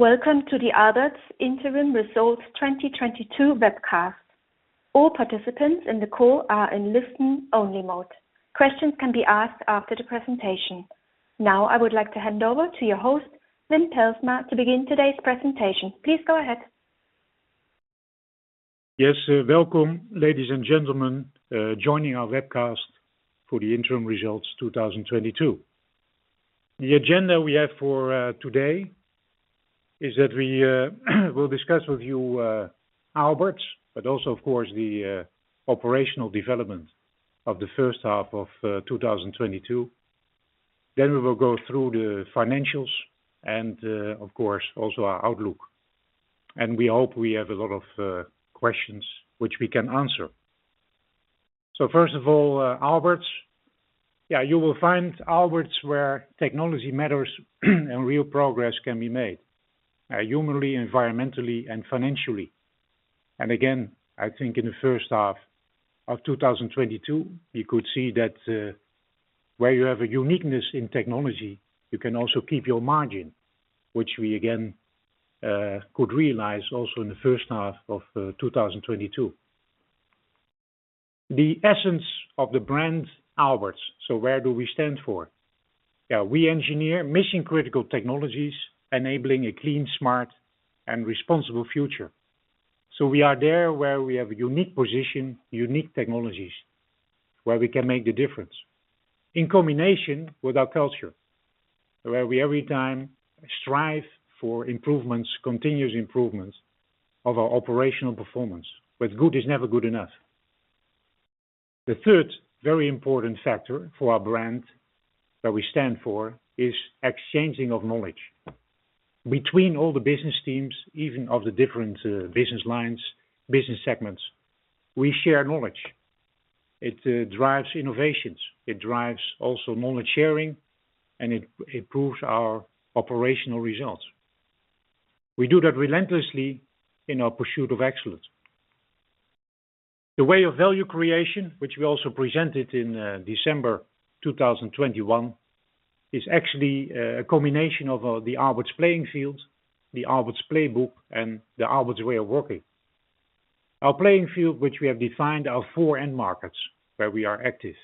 Welcome to the Aalberts Interim Results 2022 webcast. All participants in the call are in listen only mode. Questions can be asked after the presentation. Now, I would like to hand over to your host, Wim Pelsma, to begin today's presentation. Please go ahead. Yes. Welcome, ladies and gentlemen, joining our webcast for the interim results 2022. The agenda we have for today is that we will discuss with you Aalberts, but also of course, the operational development of the first half of 2022. We will go through the financials and of course, also our outlook. We hope we have a lot of questions which we can answer. First of all, Aalberts. Yeah, you will find Aalberts where technology matters and real progress can be made humanly, environmentally, and financially. I think in the first half of 2022, you could see that where you have a uniqueness in technology, you can also keep your margin, which we again could realize also in the first half of 2022. The essence of the brand Aalberts. Where do we stand for? Yeah, we engineer mission-critical technologies enabling a clean, smart, and responsible future. We are there where we have a unique position, unique technologies, where we can make the difference in combination with our culture, where we every time strive for improvements, continuous improvements of our operational performance, but good is never good enough. The third very important factor for our brand that we stand for is exchanging of knowledge between all the business teams, even of the different, business lines, business segments. We share knowledge. It drives innovations, it drives also knowledge sharing, and it proves our operational results. We do that relentlessly in our pursuit of excellence. The way of value creation, which we also presented in December 2021, is actually a combination of the Aalberts playing field, the Aalberts playbook, and the Aalberts way of working. Our playing field, which we have defined our four end markets, where we are active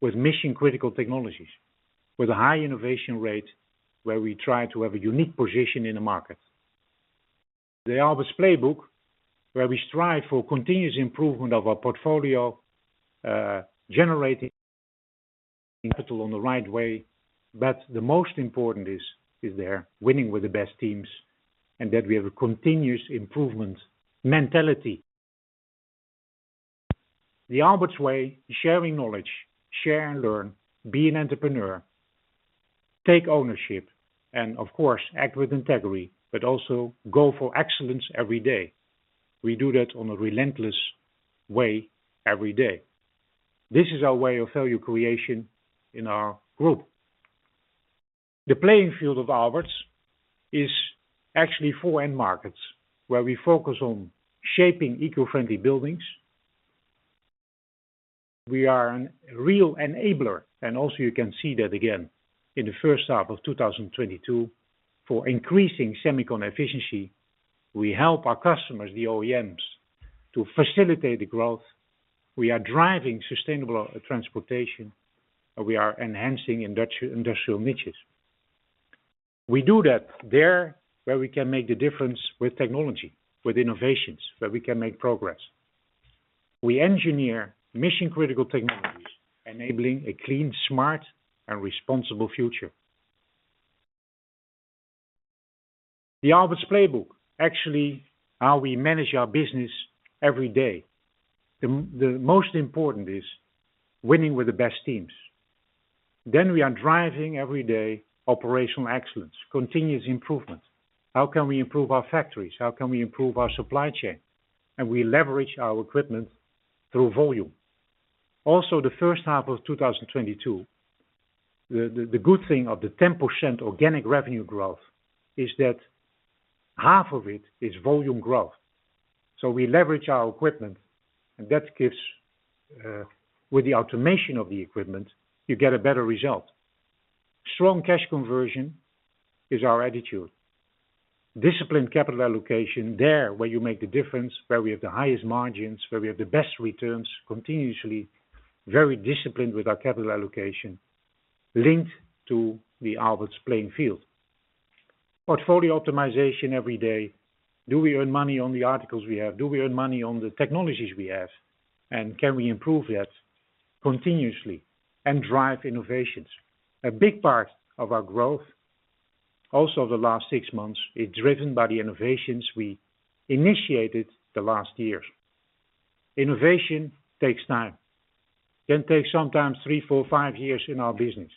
with mission-critical technologies, with a high innovation rate, where we try to have a unique position in the market. The Aalberts playbook, where we strive for continuous improvement of our portfolio, generating capital on the right way. The most important is their winning with the best teams, and that we have a continuous improvement mentality. The Aalberts way, sharing knowledge, share and learn, be an entrepreneur, take ownership, and of course, act with integrity, but also go for excellence every day. We do that on a relentless way every day. This is our way of value creation in our group. The playing field of Aalberts is actually four end markets where we focus on shaping eco-friendly buildings. We are a real enabler, and also you can see that again in the first half of 2022 for increasing semicon efficiency. We help our customers, the OEMs, to facilitate the growth. We are driving sustainable transportation, and we are enhancing industrial niches. We do that there where we can make the difference with technology, with innovations, where we can make progress. We engineer mission-critical technologies enabling a clean, smart, and responsible future. The Aalberts playbook, actually, how we manage our business every day. The most important is winning with the best teams. We are driving every day operational excellence, continuous improvement. How can we improve our factories? How can we improve our supply chain? We leverage our equipment through volume. The first half of 2022, the good thing of the 10% organic revenue growth is that half of it is volume growth. We leverage our equipment, and that gives, with the automation of the equipment, you get a better result. Strong cash conversion is our attitude. Disciplined capital allocation there, where you make the difference, where we have the highest margins, where we have the best returns continuously, very disciplined with our capital allocation linked to the Aalberts playing field. Portfolio optimization every day. Do we earn money on the articles we have? Do we earn money on the technologies we have? Can we improve that continuously and drive innovations? A big part of our growth, the last six months, is driven by the innovations we initiated the last years. Innovation takes time. can take sometimes 3, 4, 5 years in our business,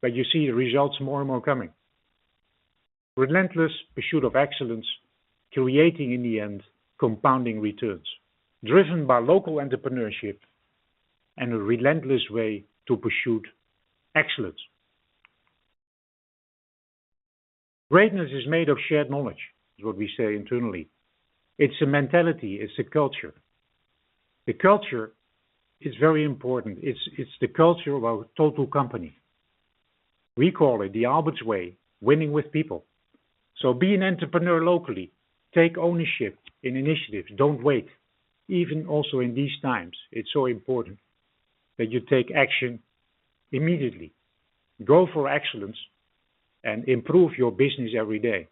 but you see the results more and more coming. Relentless pursuit of excellence, creating in the end, compounding returns driven by local entrepreneurship and a relentless way to pursue excellence. Greatness is made of shared knowledge, is what we say internally. It's a mentality, it's a culture. The culture is very important. It's the culture of our total company. We call it the Aalberts way, winning with people. Be an entrepreneur locally, take ownership in initiatives, don't wait. Even also in these times, it's so important that you take action immediately, go for excellence and improve your business every day.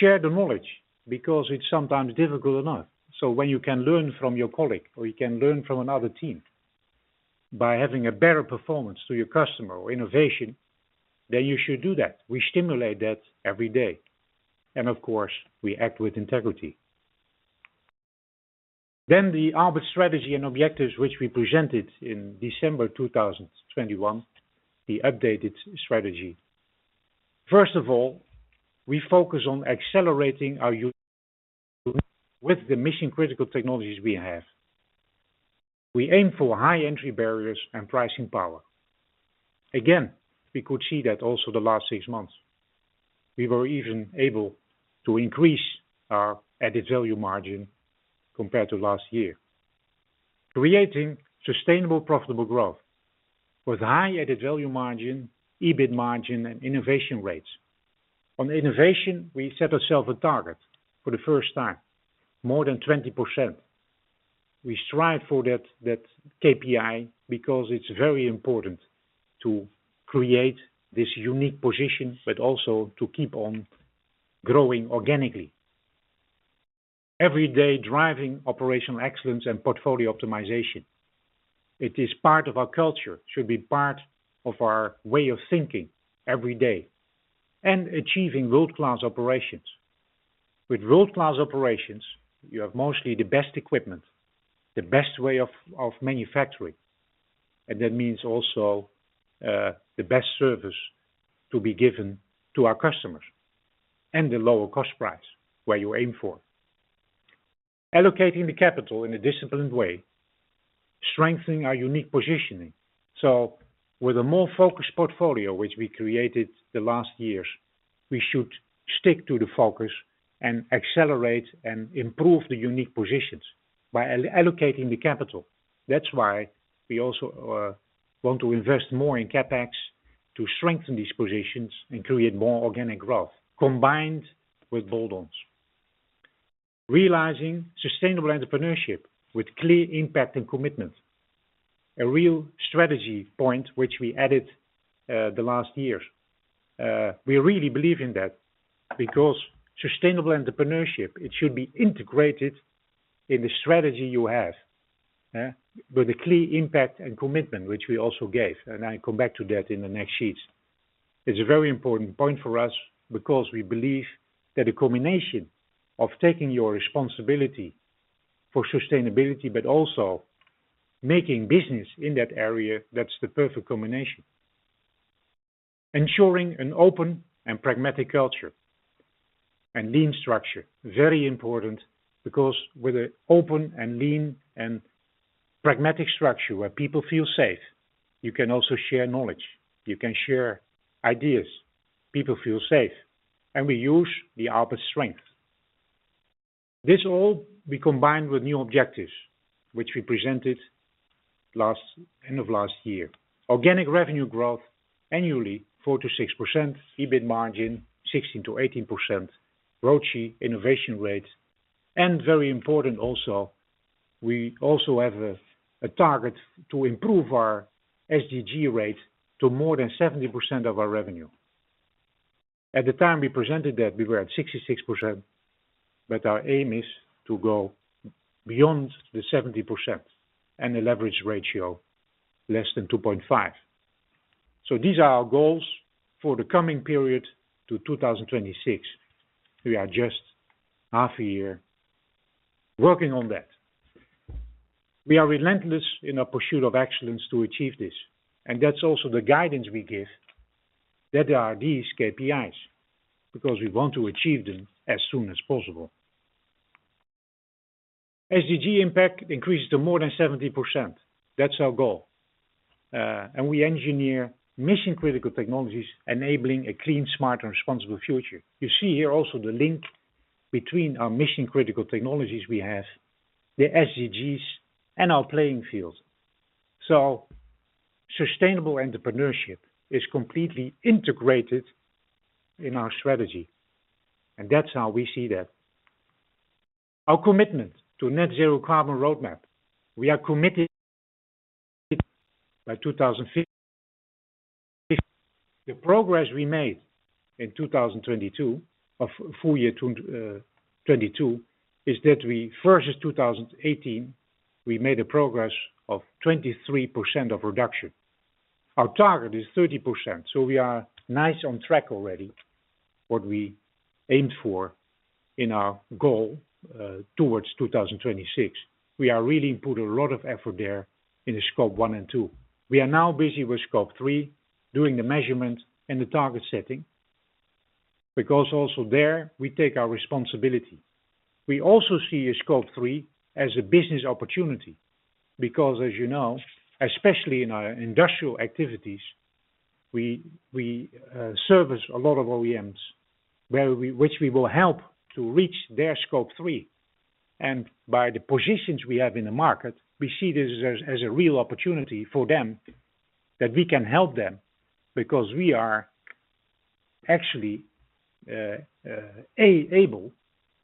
Share the knowledge because it's sometimes difficult enough. When you can learn from your colleague or you can learn from another team by having a better performance to your customer or innovation, then you should do that. We stimulate that every day, and of course, we act with integrity. The Aalberts strategy and objectives which we presented in December 2021, the updated strategy. First of all, we focus on accelerating our unique positioning with the mission-critical technologies we have. We aim for high entry barriers and pricing power. Again, we could see that also the last 6 months, we were even able to increase our added value margin compared to last year. Creating sustainable, profitable growth with high added value margin, EBIT margin, and innovation rates. On innovation, we set ourselves a target for the first time, more than 20%. We strive for that KPI because it's very important to create this unique position, but also to keep on growing organically. Every day, driving operational excellence and portfolio optimization. It is part of our culture. should be part of our way of thinking every day and achieving world-class operations. With world-class operations, you have mostly the best equipment, the best way of manufacturing, and that means also the best service to be given to our customers and the lower cost price, where you aim for. Allocating the capital in a disciplined way, strengthening our unique positioning. With a more focused portfolio, which we created the last years, we should stick to the focus and accelerate and improve the unique positions by allocating the capital. That's why we also want to invest more in CapEx to strengthen these positions and create more organic growth combined with build-ons. Realizing sustainable entrepreneurship with clear impact and commitment. A real strategy point which we added the last years. We really believe in that because sustainable entrepreneurship, it should be integrated in the strategy you have, yeah, with a clear impact and commitment, which we also gave. I come back to that in the next sheets. It's a very important point for us because we believe that a combination of taking your responsibility for sustainability, but also making business in that area, that's the perfect combination. Ensuring an open and pragmatic culture and lean structure. Very important because with an open and lean and pragmatic structure where people feel safe, you can also share knowledge, you can share ideas, people feel safe, and we use the Aalberts strength. This all we combined with new objectives, which we presented end of last year. Organic revenue growth annually, 4%-6%, EBIT margin, 16%-18%, ROCE, innovation rate, and very important also, we also have a target to improve our SDG rate to more than 70% of our revenue. At the time we presented that, we were at 66%, but our aim is to go beyond the 70% and a leverage ratio less than 2.5. These are our goals for the coming period to 2026. We are just half a year working on that. We are relentless in our pursuit of excellence to achieve this, and that's also the guidance we give, that there are these KPIs because we want to achieve them as soon as possible. SDG impact increases to more than 70%. That's our goal. We engineer mission-critical technologies enabling a clean, smart, and responsible future. You see here also the link between our mission-critical technologies we have, the SDGs, and our playing field. Sustainable entrepreneurship is completely integrated in our strategy, and that's how we see that. Our commitment to net zero carbon roadmap. We are committed by 2050. The progress we made in 2022, or full year 2022, is that we, versus 2018, we made a progress of 23% reduction. Our target is 30%, so we are nicely on track already what we aimed for in our goal, towards 2026. We really put a lot of effort there in the Scope 1 and 2. We are now busy with Scope 3, doing the measurement and the target setting because also there we take our responsibility. We also see a Scope 3 as a business opportunity because as you know, especially in our industrial activities, we service a lot of OEMs which we will help to reach their Scope 3. By the positions we have in the market, we see this as a real opportunity for them that we can help them because we are actually able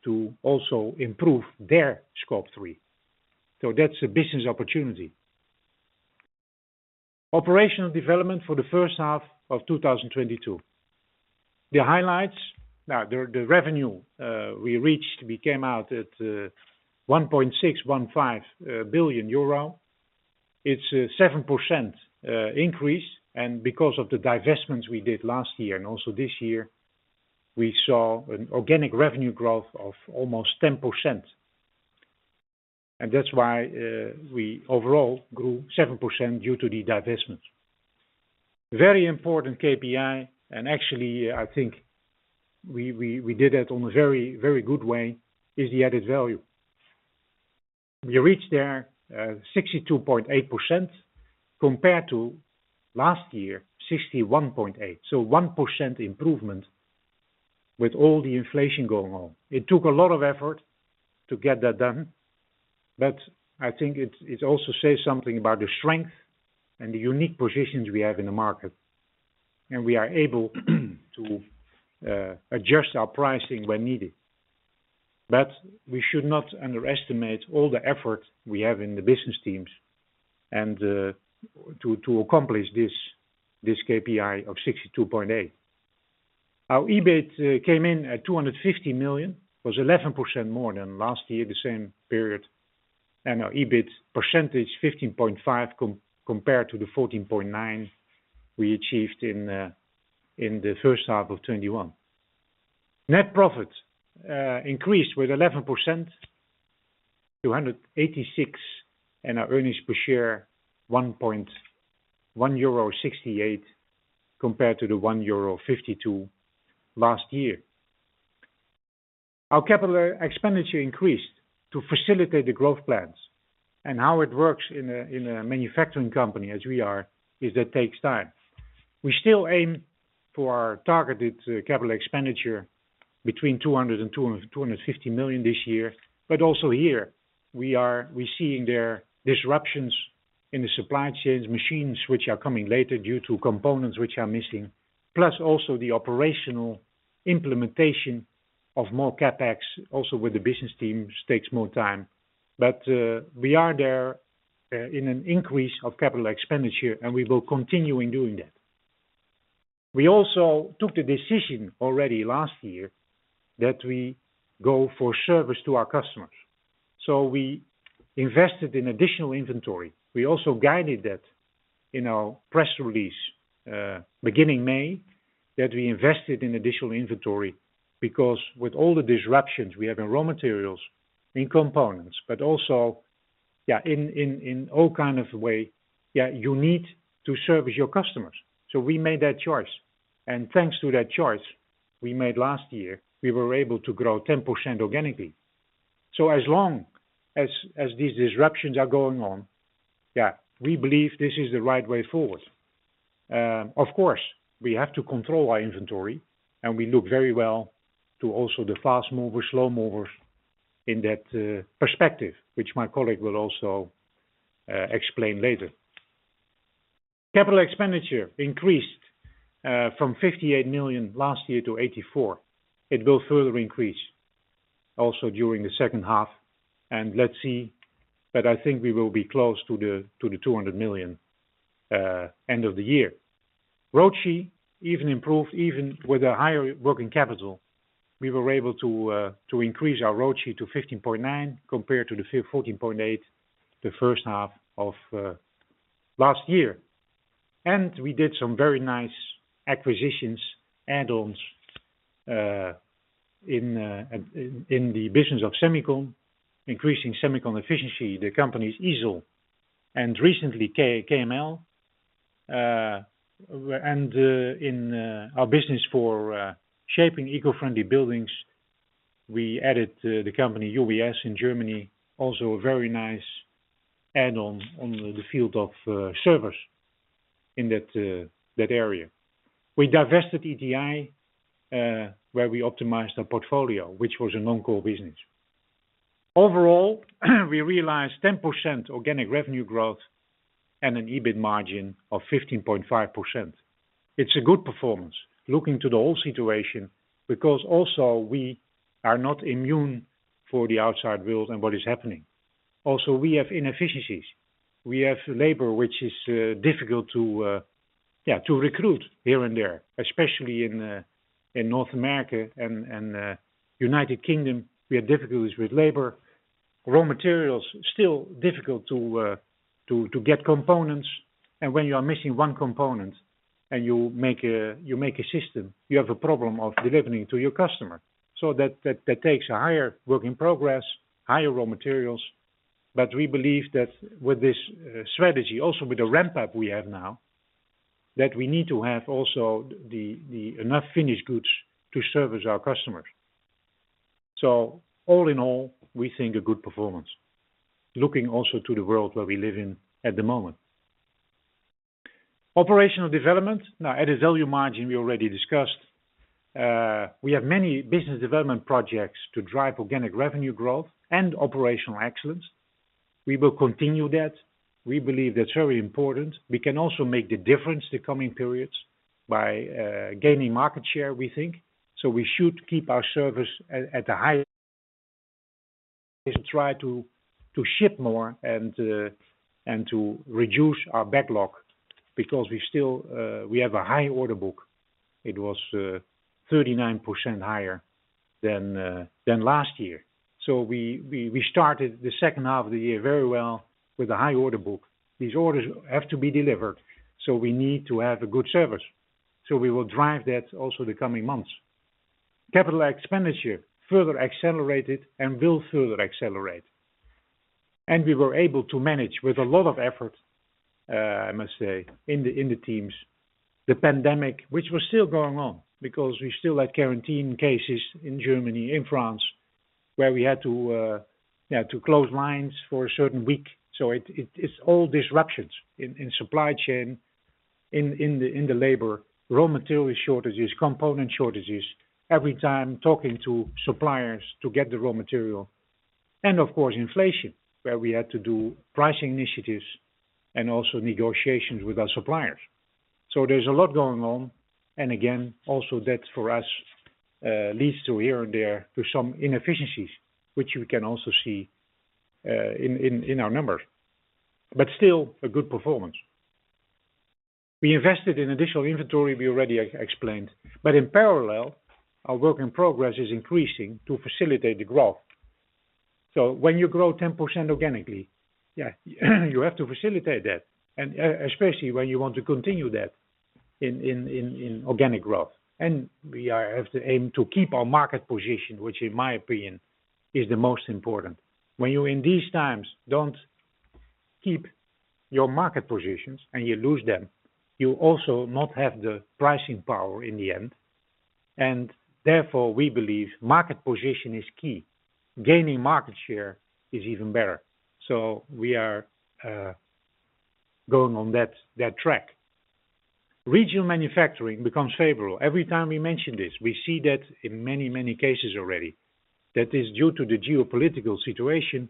to also improve their Scope 3. So that's a business opportunity. Operational development for the first half of 2022. The highlights. Now, the revenue we came out at 1.615 billion euro. It's a 7% increase. Because of the divestments we did last year and also this year, we saw an organic revenue growth of almost 10%. That's why we overall grew 7% due to the divestment. Very important KPI, and actually, I think we did that on a very good way, is the added value. We reached 62.8% compared to last year, 61.8%. 1% improvement with all the inflation going on. It took a lot of effort to get that done, but I think it also says something about the strength and the unique positions we have in the market, and we are able to adjust our pricing when needed. We should not underestimate all the effort we have in the business teams and to accomplish this KPI of 62.8%. Our EBIT came in at 250 million, was 11% more than last year, the same period. Our EBIT percentage, 15.5% compared to the 14.9% we achieved in the first half of 2021. Net profit increased with 11%, 286 million, and our earnings per share 1.168 euro compared to the 1.52 euro last year. Our capital expenditure increased to facilitate the growth plans and how it works in a manufacturing company as we are is it takes time. We still aim for our targeted capital expenditure between 200 million and 250 million this year. But also here we are we're seeing these disruptions in the supply chains, machines which are coming later due to components which are missing, plus also the operational implementation of more CapEx, also with the business teams takes more time. We are there in an increase of capital expenditure, and we will continue in doing that. We also took the decision already last year that we go for service to our customers. We invested in additional inventory. We also guided that in our press release, beginning May, that we invested in additional inventory because with all the disruptions we have in raw materials, in components, but also, yeah, in all kinds of ways, yeah, you need to service your customers. We made that choice. Thanks to that choice we made last year, we were able to grow 10% organically. As long as these disruptions are going on, yeah, we believe this is the right way forward. Of course, we have to control our inventory, and we look very well to also the fast movers, slow movers in that perspective, which my colleague will also explain later. Capital expenditure increased from 58 million last year to 84 million. It will further increase also during the second half. Let's see, but I think we will be close to 200 million end of the year. ROCE improved with a higher working capital. We were able to increase our ROCE to 15.9% compared to the 14.8% first half of last year. We did some very nice acquisitions, add-ons in the business of semicon, increasing semicon efficiency, the companies isel and recently KML. In our business for shaping eco-friendly buildings, we added the company UWS in Germany. Also a very nice add-on in the field of sewers in that area. We divested ETI, where we optimized our portfolio, which was a non-core business. Overall, we realized 10% organic revenue growth and an EBIT margin of 15.5%. It's a good performance looking to the whole situation because also we are not immune for the outside world and what is happening. Also, we have inefficiencies. We have labor which is difficult to recruit here and there, especially in North America and United Kingdom, we have difficulties with labor. Raw materials still difficult to get components. When you are missing one component and you make a system, you have a problem of delivering to your customer. That takes a higher work in progress, higher raw materials. But we believe that with this strategy, also with the ramp up we have now, that we need to have also enough finished goods to service our customers. All in all, we think a good performance, looking also to the world where we live in at the moment. Operational development. Now, EBITDA margin, we already discussed. We have many business development projects to drive organic revenue growth and operational excellence. We will continue that. We believe that's very important. We can also make the difference the coming periods by gaining market share, we think. We should keep our service at the highest to try to ship more and to reduce our backlog because we still have a high order book. It was 39% higher than last year. We started the second half of the year very well with a high order book. These orders have to be delivered, so we need to have a good service. We will drive that also the coming months. Capital expenditure further accelerated and will further accelerate. We were able to manage with a lot of effort, I must say, in the teams, the pandemic, which was still going on because we still had quarantine cases in Germany, in France, where we had to close lines for a certain week. It's all disruptions in supply chain, in the labor, raw material shortages, component shortages, every time talking to suppliers to get the raw material. Of course, inflation, where we had to do pricing initiatives and also negotiations with our suppliers. There's a lot going on. Again, also that for us leads to here and there to some inefficiencies, which we can also see in our numbers. Still a good performance. We invested in additional inventory, we already explained, but in parallel, our work in progress is increasing to facilitate the growth. When you grow 10% organically, yeah, you have to facilitate that, and especially when you want to continue that in organic growth. We have to aim to keep our market position, which in my opinion is the most important. When you, in these times, don't keep your market positions and you lose them, you also not have the pricing power in the end. Therefore, we believe market position is key. Gaining market share is even better. We are going on that track. Regional manufacturing becomes favorable. Every time we mention this, we see that in many, many cases already. That is due to the geopolitical situation,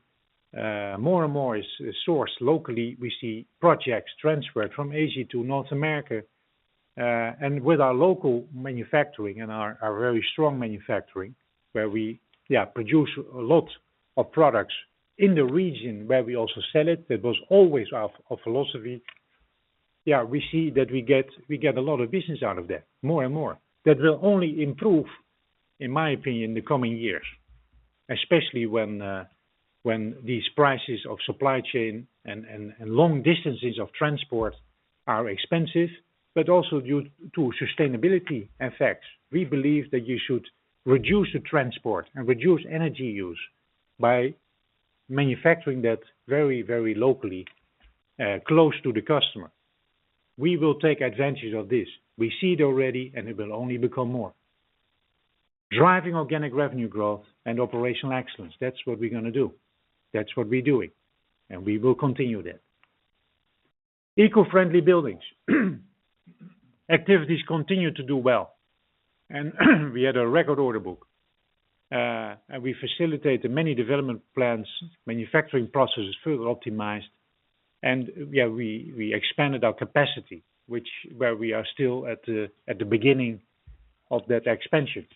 more and more is sourced locally. We see projects transferred from Asia to North America. With our local manufacturing and our very strong manufacturing where we produce a lot of products in the region where we also sell it, that was always our philosophy. Yeah, we see that we get a lot of business out of that, more and more. That will only improve, in my opinion, the coming years, especially when these prices of supply chain and long distances of transport are expensive, but also due to sustainability effects. We believe that you should reduce the transport and reduce energy use by manufacturing that very locally close to the customer. We will take advantage of this. We see it already, and it will only become more. Driving organic revenue growth and operational excellence. That's what we're gonna do. That's what we're doing. We will continue that. Eco-friendly buildings. Activities continue to do well. We had a record order book, and we facilitated many development plans, manufacturing processes further optimized. Yeah, we expanded our capacity, where we are still at the beginning of that expansion.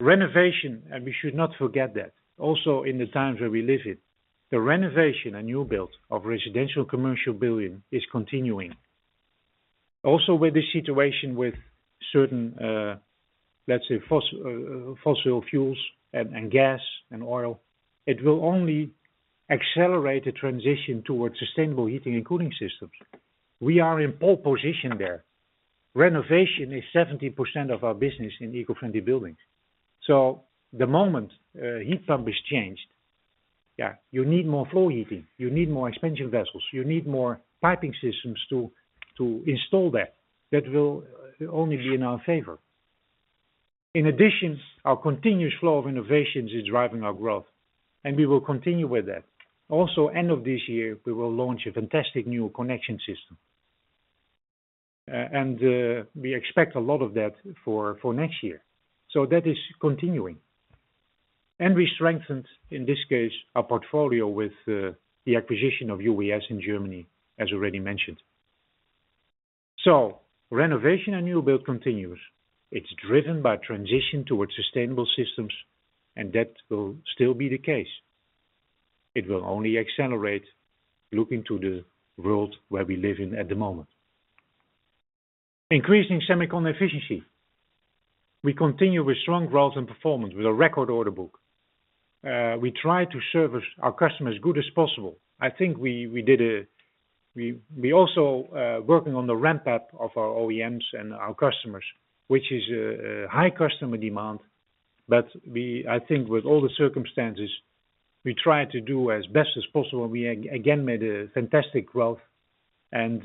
Renovation, and we should not forget that. Also in the times where we live in, the renovation and new build of residential commercial building is continuing. Also, with the situation with certain, let's say fossil fuels and gas and oil, it will only accelerate the transition towards sustainable heating and cooling systems. We are in pole position there. Renovation is 70% of our business in eco-friendly buildings. The moment heat pump is changed, yeah, you need more floor heating, you need more expansion vessels, you need more piping systems to install that. That will only be in our favor. In addition, our continuous flow of innovations is driving our growth, and we will continue with that. Also, end of this year, we will launch a fantastic new connection system. We expect a lot of that for next year. That is continuing. We strengthened, in this case, our portfolio with the acquisition of UWS in Germany, as already mentioned. Renovation and new build continues. It's driven by transition towards sustainable systems, and that will still be the case. It will only accelerate looking to the world where we live in at the moment. Increasing semicon efficiency. We continue with strong growth and performance with a record order book. We try to service our customers good as possible. I think we did. We also working on the ramp-up of our OEMs and our customers, which is a high customer demand. I think with all the circumstances we try to do as best as possible. We again made a fantastic growth and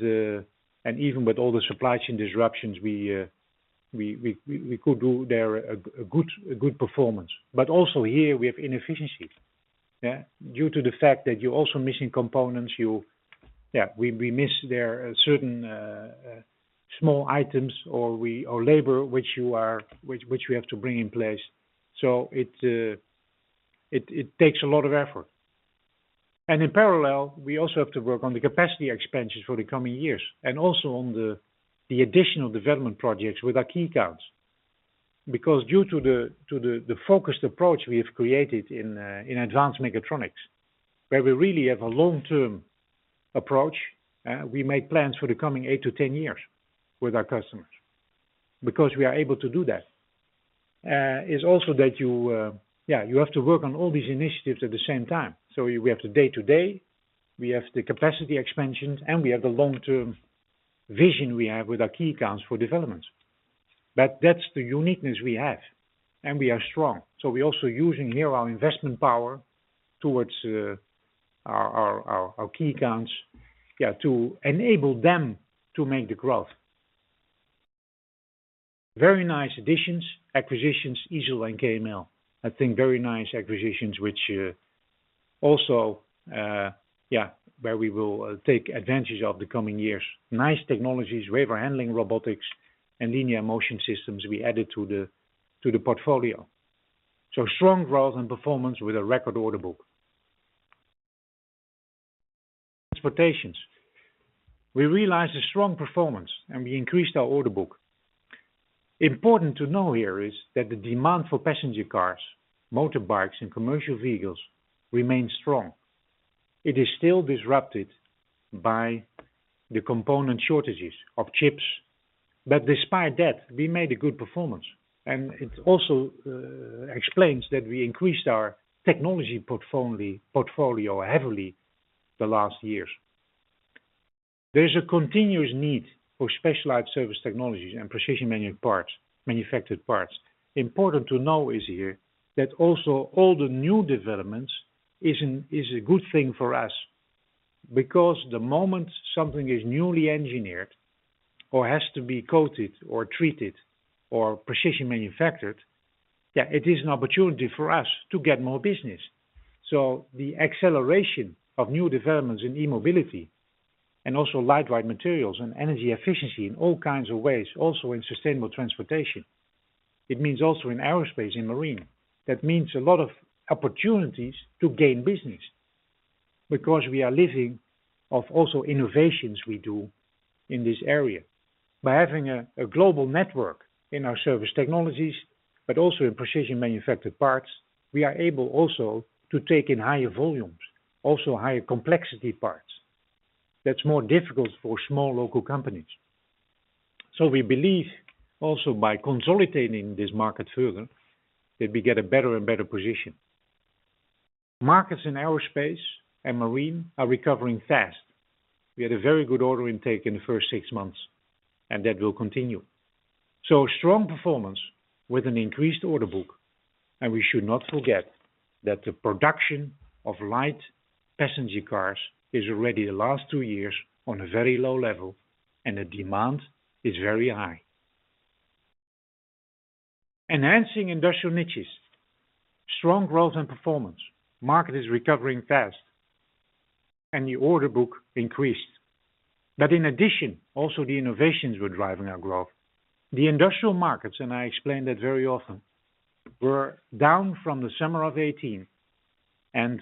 even with all the supply chain disruptions, we could do a good performance. Also here we have inefficiencies, yeah? Due to the fact that we're also missing components. Yeah, we miss certain small items or labor which we have to bring in place. It takes a lot of effort. In parallel, we also have to work on the capacity expansions for the coming years and also on the additional development projects with our key accounts. Due to the focused approach we have created in advanced mechatronics, where we really have a long-term approach, we made plans for the coming 8-10 years with our customers. Because we are able to do that is also that you have to work on all these initiatives at the same time. We have the day-to-day, we have the capacity expansions, and we have the long-term vision we have with our key accounts for developments. That's the uniqueness we have, and we are strong. We're also using here our investment power towards our key accounts to enable them to make the growth. Very nice additions, acquisitions, isel and KML. I think very nice acquisitions which also where we will take advantage of the coming years. Nice technologies, wafer handling robotics and linear motion systems we added to the portfolio. Strong growth and performance with a record order book. Transportation. We realized a strong performance, and we increased our order book. Important to know here is that the demand for passenger cars, motorbikes, and commercial vehicles remains strong. It is still disrupted by the component shortages of chips. Despite that, we made a good performance, and it also explains that we increased our technology portfolio heavily the last years. There's a continuous need for specialized service technologies and precision manufactured parts. Important to know is here that also all the new developments is a good thing for us because the moment something is newly engineered or has to be coated or treated or precision manufactured, yeah, it is an opportunity for us to get more business. The acceleration of new developments in e-mobility and also lightweight materials and energy efficiency in all kinds of ways, also in sustainable transportation, it means also in aerospace and marine. That means a lot of opportunities to gain business because we are living off also innovations we do in this area. By having a global network in our surface technologies, but also in precision manufactured parts, we are able also to take in higher volumes, also higher complexity parts. That's more difficult for small local companies. We believe also by consolidating this market further, that we get a better and better position. Markets in aerospace and marine are recovering fast. We had a very good order intake in the first six months, and that will continue. Strong performance with an increased order book, and we should not forget that the production of light passenger cars is already the last 2 years on a very low level, and the demand is very high. Enhancing industrial niches. Strong growth and performance. Market is recovering fast, and the order book increased. In addition, also the innovations were driving our growth. The industrial markets, and I explained that very often, were down from the summer of 2018 and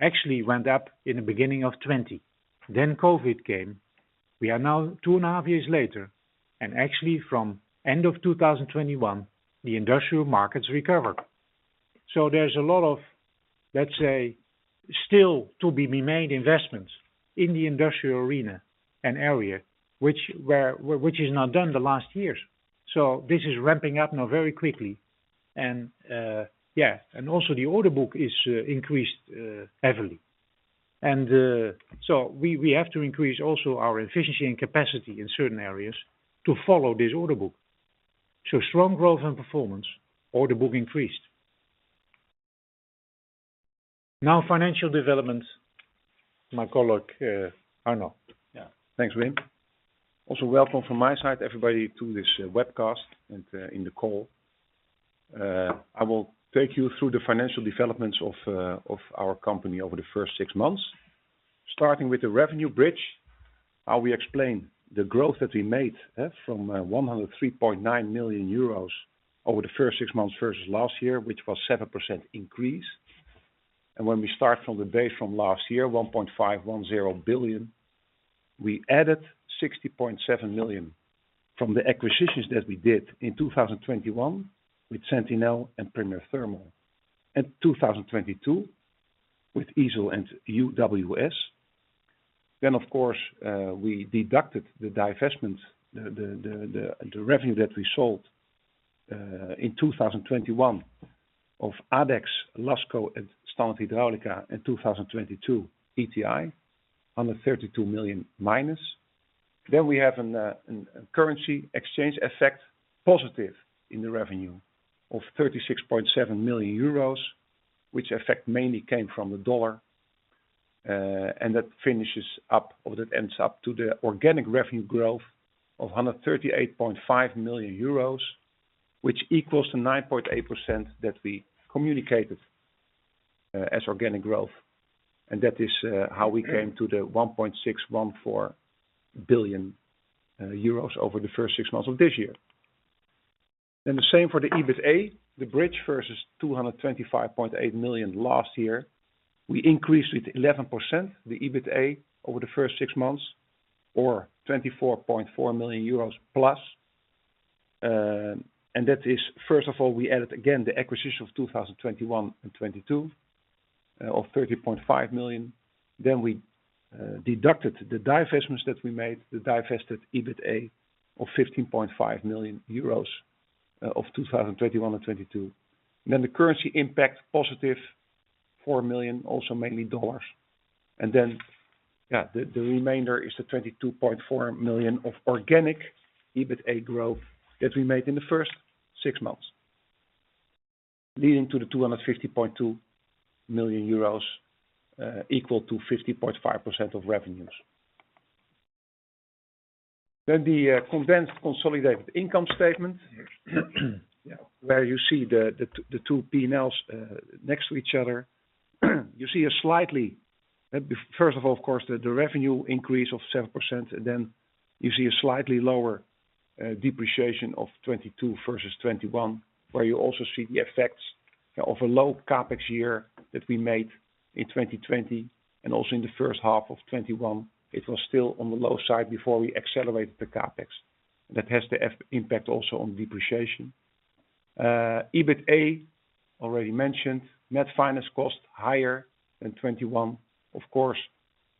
actually went up in the beginning of 2020. COVID came. We are now 2.5 years later, and actually from end of 2021, the industrial markets recovered. There's a lot of, let's say, still to be made investments in the industrial arena and area, which is not done the last years. This is ramping up now very quickly. Also, the order book is increased heavily. We have to increase also our efficiency and capacity in certain areas to follow this order book. Strong growth and performance, order book increased. Now financial developments. My colleague, Arno. Thanks, Wim. Also welcome from my side, everybody, to this webcast and in the call. I will take you through the financial developments of our company over the first six months, starting with the revenue bridge. How we explain the growth that we made from 103.9 million euros over the first six months versus last year, which was 7% increase. When we start from the base from last year, 1.510 billion, we added 60.7 million from the acquisitions that we did in 2021 with Sentinel and Premier Thermal Solutions, and 2022 with isel and UWS. Of course, we deducted the divestment, the revenue that we sold in 2021 of Adex, Lasco and Standard Hidráulica in 2022, ETI on the 32 million minus. We have a currency exchange effect positive in the revenue of 36.7 million euros, which effect mainly came from the dollar. That finishes up, or that ends up to the organic revenue growth of 138.5 million euros, which equals to 9.8% that we communicated as organic growth. That is how we came to the 1.614 billion euros over the first six months of this year. The same for the EBITA, the bridge versus 225.8 million last year. We increased the EBITA by 11% over the first six months, or 24.4 million euros plus. That is first of all, we added the acquisitions of 2021 and 2022 of 30.5 million. We deducted the divestments that we made, the divested EBITA of 15.5 million euros of 2021 and 2022. The currency impact [was] positive $4 million, also mainly dollars. The remainder is the 22.4 million of organic EBITA growth that we made in the first six months, leading to 250.2 million euros, equal to 50.5% of revenues. The condensed consolidated income statement where you see the two P&Ls next to each other. You see a slightly... First of all, of course, the revenue increase of 7%, then you see a slightly lower depreciation of 2022 versus 2021, where you also see the effects of a low CapEx year that we made in 2020 and also in the first half of 2021. It was still on the low side before we accelerated the CapEx. That has the impact also on depreciation. EBITA already mentioned. Net finance cost higher than 2021. Of course,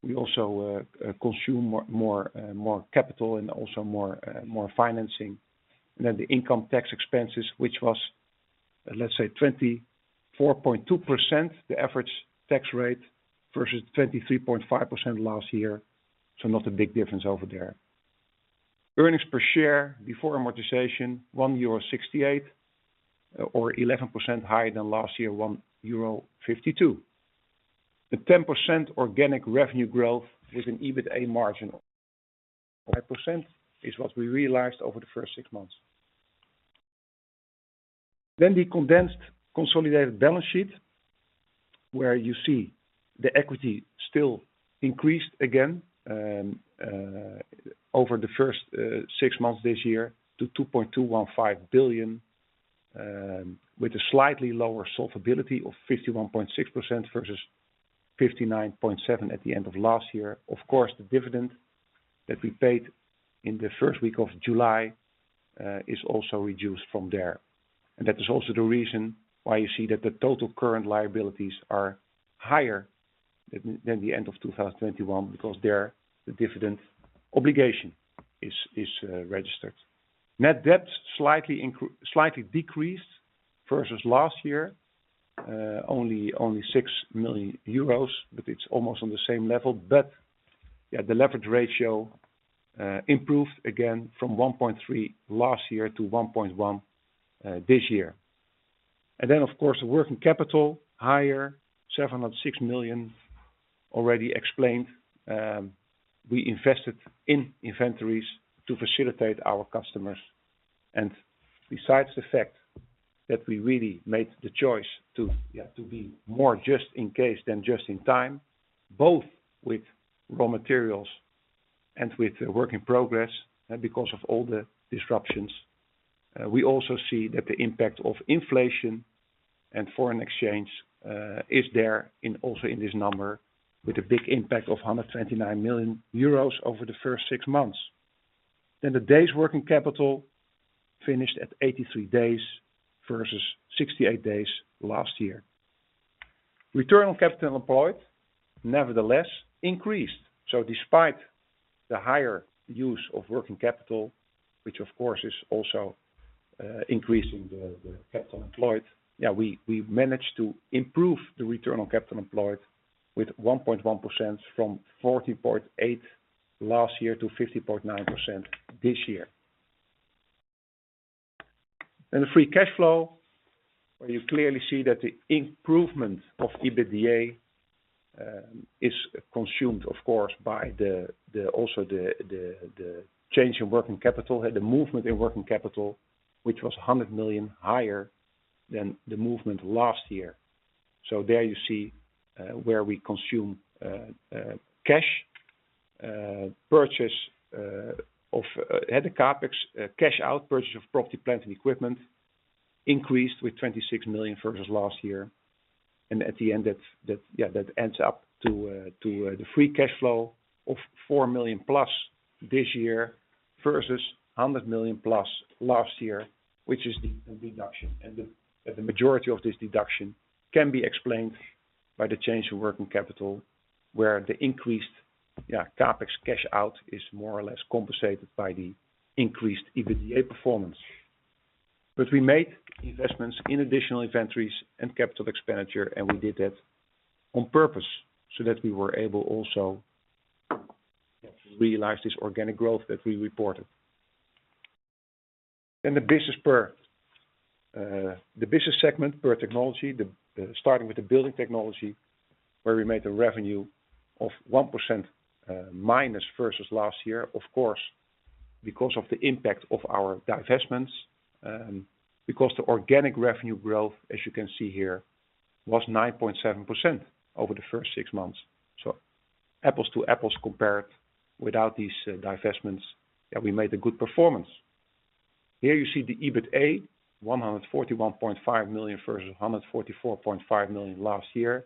we also consume more capital and also more financing. Then the income tax expenses, which was, let's say, 24.2%, the average tax rate, versus 23.5% last year. Not a big difference over there. Earnings per share before amortization, €1.68, or 11% higher than last year, €1.52. The 10% organic revenue growth with an EBITA margin of 5% is what we realized over the first six months. The condensed consolidated balance sheet, where you see the equity still increased again over the first six months this year to 2.215 billion, with a slightly lower solvency of 51.6% versus 59.7% at the end of last year. Of course, the dividend that we paid in the first week of July is also reduced from there. That is also the reason why you see that the total current liabilities are higher than the end of 2021 because there the dividend obligation is registered. Net debt slightly decreased versus last year only 6 million euros, but it's almost on the same level. Yeah, the leverage ratio improved again from 1.3 last year to 1.1 this year. Of course, the working capital higher, 706 million already explained. We invested in inventories to facilitate our customers. Besides the fact that we really made the choice to, yeah, to be more just in case than just in time, both with raw materials and with work in progress, and because of all the disruptions, we also see that the impact of inflation and foreign exchange is there in also in this number with a big impact of 129 million euros over the first six months. The days working capital finished at 83 days versus 68 days last year. Return on capital employed, nevertheless, increased. Despite the higher use of working capital, which of course is also increasing the capital employed, we managed to improve the return on capital employed with 1.1% from 40.8% last year to 50.9% this year. The free cash flow, where you clearly see that the improvement of EBITDA is consumed, of course, by the change in working capital. The movement in working capital, which was 100 million higher than the movement last year. There you see where we consume cash. The CapEx cash out purchase of property, plant, and equipment increased with 26 million versus last year. That ends up to the free cash flow of 4 million plus this year versus 100 million plus last year, which is the deduction. The majority of this deduction can be explained by the change in working capital, where the increased CapEx cash out is more or less compensated by the increased EBITDA performance. We made investments in additional inventories and capital expenditure, and we did that on purpose so that we were able also to realize this organic growth that we reported. In the business segment per technology, starting with the building technology, where we made a revenue of 1%, minus versus last year, of course, because of the impact of our divestments, because the organic revenue growth, as you can see here, was 9.7% over the first six months. Apples to apples compared without these, divestments, that we made a good performance. Here you see the EBITA, 141.5 million versus 144.5 million last year,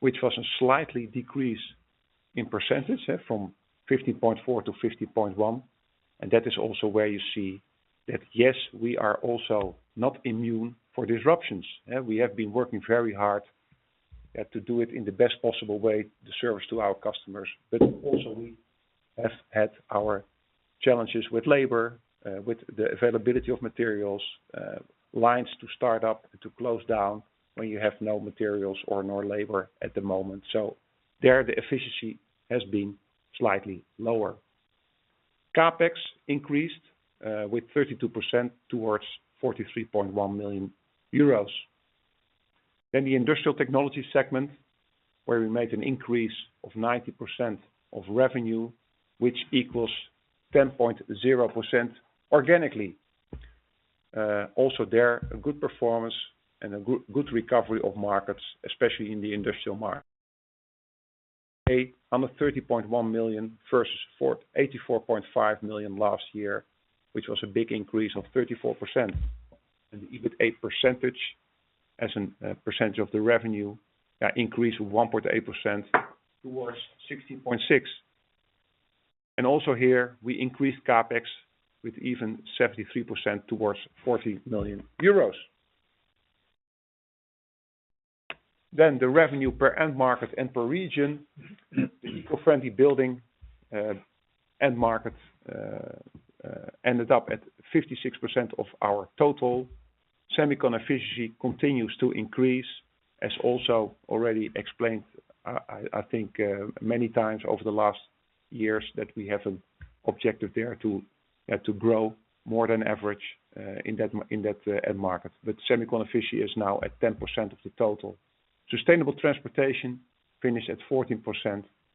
which was a slightly decrease in percentage from 15.4% to 15.1% and that is also where you see that, yes, we are also not immune for disruptions. We have been working very hard to do it in the best possible way, the service to our customers, but also we have had our challenges with labor, with the availability of materials, lines to start up to close down when you have no materials or no labor at the moment. There, the efficiency has been slightly lower. CapEx increased with 32% towards 43.1 million euros. The industrial technology segment, where we made a 90% increase in revenue, which equals 10.0% organically. Also there a good performance and a good recovery of markets, especially in the industrial market. At 30.1 million versus 84.5 million last year, which was a big increase of 34%. The EBITA percentage as a percentage of the revenue increased 1.8% to 16.6%. Also here we increased CapEx by even 73% to EUR 40 million. The revenue per end market and per region, the eco-friendly buildings end markets, ended up at 56% of our total. Semicon efficiency continues to increase, as also already explained, I think, many times over the last years that we have an objective there to grow more than average in that end market. Semicon efficiency is now at 10% of the total. Sustainable transportation finished at 14%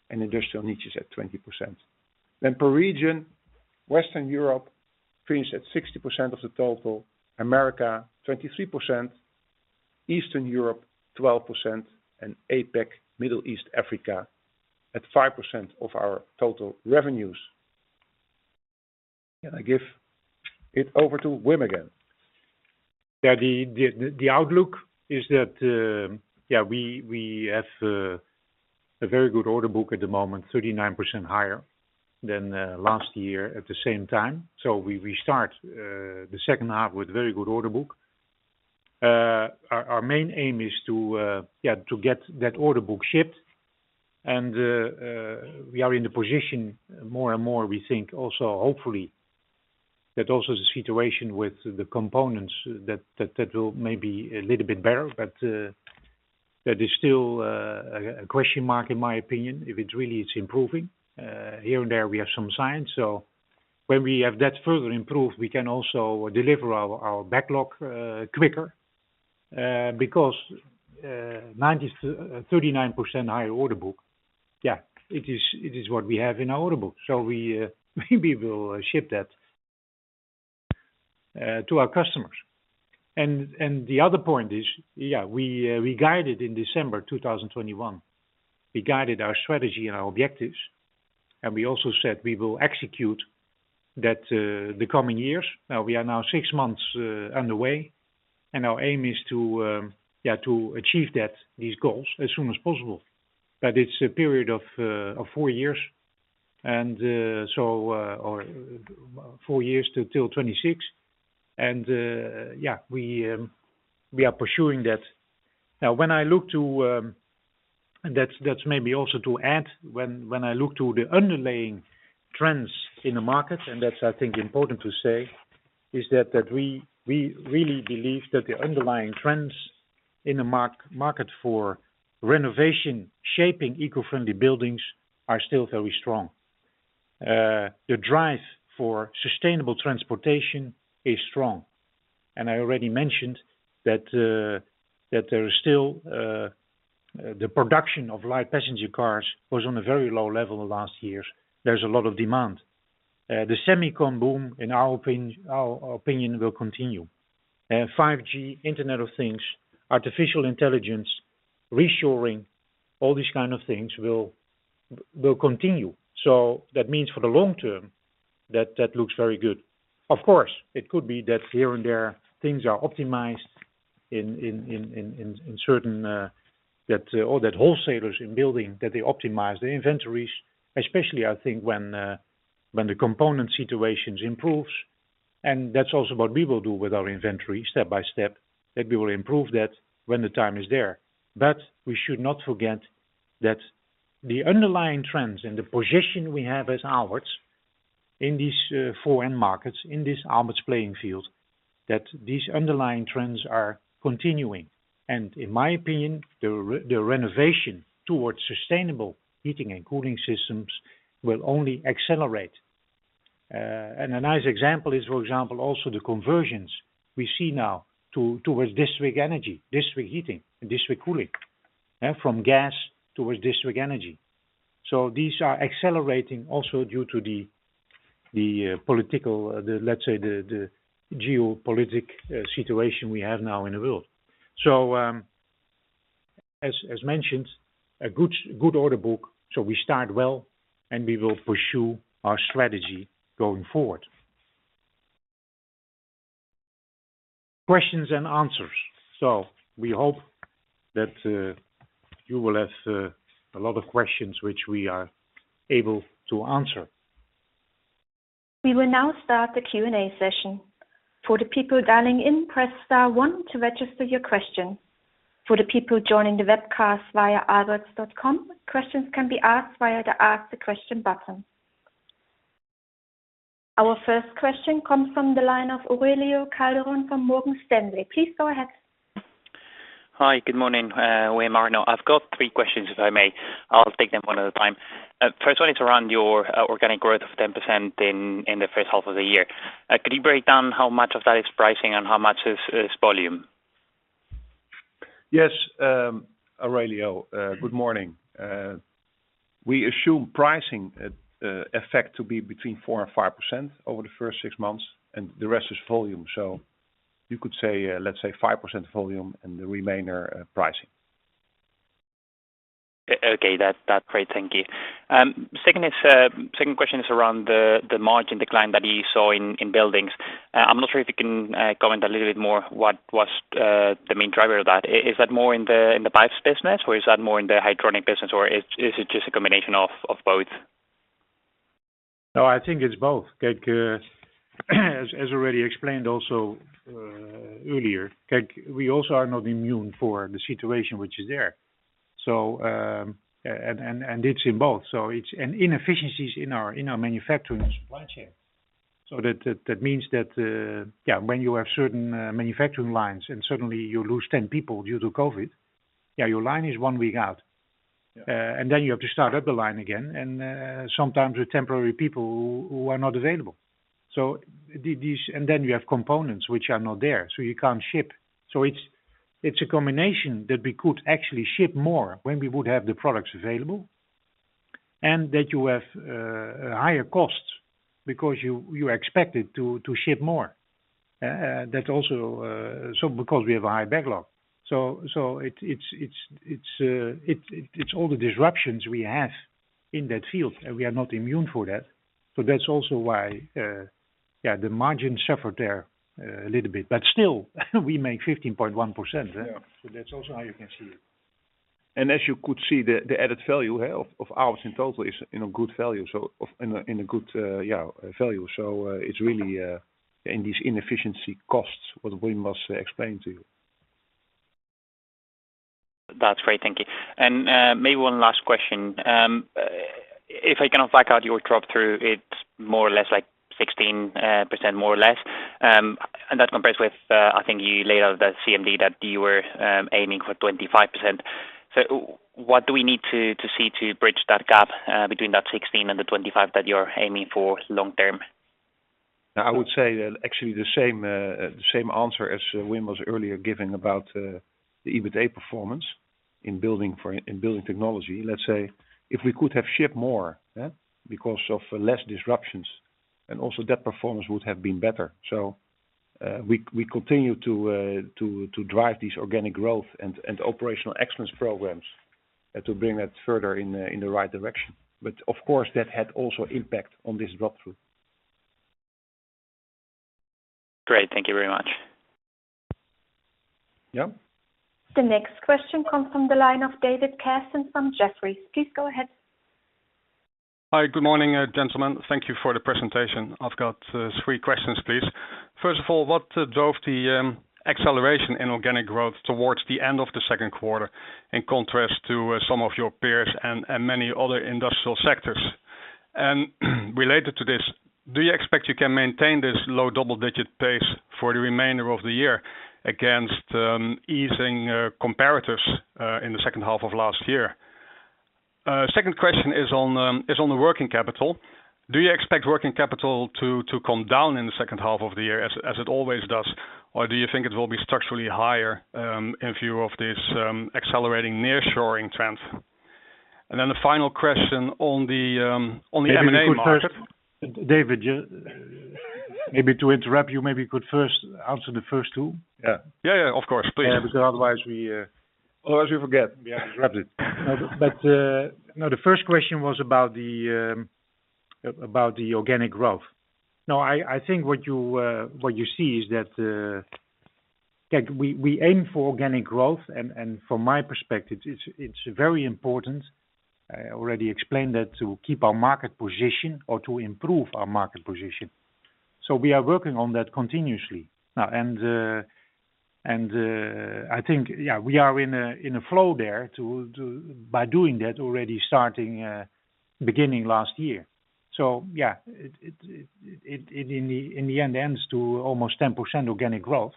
and industrial niches at 20%. Per region, Western Europe finished at 60% of the total, America, 23%, Eastern Europe, 12%, and APAC, Middle East, Africa at 5% of our total revenues. I give it over to Wim again. The outlook is that we have a very good order book at the moment, 39% higher than last year at the same time. We start the second half with very good order book. Our main aim is to get that order book shipped and we are in the position more and more. We think also hopefully that also the situation with the components that will may be a little bit better. That is still a question mark in my opinion, if it really is improving. Here and there we have some signs. When we have that further improved, we can also deliver our backlog quicker, because 39% higher order book, yeah, it is what we have in our order book. We maybe we'll ship that to our customers. The other point is, we guided in December 2021. We guided our strategy and our objectives, and we also said we will execute that the coming years. We are six months underway, and our aim is to achieve that, these goals as soon as possible. It's a period of four years and so, or four years to till 2026. We are pursuing that. That's maybe also to add when I look to the underlying trends in the market, and that's, I think, important to say is that we really believe that the underlying trends in the market for renovation, shaping eco-friendly buildings are still very strong. The drive for sustainable transportation is strong. I already mentioned that there is still the production of light passenger cars was on a very low level the last years. There's a lot of demand. The semiconductor boom, in our opinion, will continue. 5G, Internet of Things, artificial intelligence, reshoring, all these kind of things will continue. That means for the long term that looks very good. Of course, it could be that here and there things are optimized in certain, that or that wholesalers in building that they optimize their inventories, especially I think when when the component situations improves. That's also what we will do with our inventory step by step, that we will improve that when the time is there. We should not forget that the underlying trends and the position we have as Aalberts in these foreign markets, in this Aalberts playing field, that these underlying trends are continuing. In my opinion, the renovation towards sustainable heating and cooling systems will only accelerate. A nice example is, for example, also the conversions we see now towards district energy, district heating, and district cooling, from gas towards district energy. These are accelerating also due to the political, let's say, the geopolitical situation we have now in the world. As mentioned, a good order book, we start well, and we will pursue our strategy going forward. Questions and answers. We hope that you will have a lot of questions which we are able to answer. We will now start the Q&A session. For the people dialing in, press star one to register your question. For the people joining the webcast via Aalberts.com, questions can be asked via the Ask the Question button. Our first question comes from the line of Aurelio Calderon from Morgan Stanley. Please go ahead. Hi. Good morning, Wim, Arno. I've got three questions, if I may. I'll take them one at a time. First one is around your organic growth of 10% in the first half of the year. Could you break down how much of that is pricing and how much is volume? Aurelio, good morning. We assume pricing effect to be between 4% and 5% over the first six months, and the rest is volume. You could say, let's say 5% volume and the remainder, pricing. Okay. That's great. Thank you. Second question is around the margin decline that you saw in buildings. I'm not sure if you can comment a little bit more what was the main driver of that. Is that more in the pipes business, or is that more in the hydronic business, or is it just a combination of both? No, I think it's both. Like, as already explained also earlier, like, we also are not immune for the situation which is there. It's in both. Inefficiencies in our manufacturing supply chain. That means that, yeah, when you have certain manufacturing lines and suddenly you lose 10 people due to COVID, yeah, your line is one week out. Yeah. You have to start up the line again, and sometimes with temporary people who are not available. You have components which are not there, so you can't ship. It's a combination that we could actually ship more when we would have the products available, and that you have higher costs because you expected to ship more. Because we have a high backlog. It's all the disruptions we have in that field, and we are not immune for that. That's also why, yeah, the margin suffered there a little bit. Still, we make 15.1%. Yeah. That's also how you can see it. As you could see, the added value of ours in total is in a good value. In a good value. It's really in these inefficiency costs what Wim must explain to you. That's great. Thank you. Maybe one last question. If I cannot back out your drop-through, it's more or less like 16% more or less. That compares with, I think you laid out the CMD that you were aiming for 25%. What do we need to see to bridge that gap between that 16 and the 25 that you're aiming for long term? I would say that actually the same answer as Wim was earlier giving about the EBITA performance in building technology. Let's say, if we could have shipped more, because of less disruptions, and also that performance would have been better. We continue to drive these organic growth and operational excellence programs to bring that further in the right direction. Of course, that had also impact on this drop-through. Great. Thank you very much. Yeah. The next question comes from the line of David Kerstens from Jefferies. Please go ahead. Hi. Good morning, gentlemen. Thank you for the presentation. I've got three questions, please. First of all, what drove the acceleration in organic growth towards the end of the second quarter in contrast to some of your peers and many other industrial sectors? Related to this, do you expect you can maintain this low double-digit pace for the remainder of the year against easing comparatives in the second half of last year? Second question is on the working capital. Do you expect working capital to come down in the second half of the year as it always does, or do you think it will be structurally higher in view of this accelerating nearshoring trend? The final question on the M&A market. Maybe we could first, David, yeah, maybe to interrupt you, maybe you could first answer the first two. Yeah, of course, please. Yeah. Because otherwise we Otherwise we forget. Yeah. We have to wrap it. No, the first question was about the organic growth. No, I think what you see is that we aim for organic growth. From my perspective, it's very important, I already explained that, to keep our market position or to improve our market position. We are working on that continuously now. I think, yeah, we are in a flow there by doing that already starting beginning last year. Yeah, it in the end ends to almost 10% organic growth.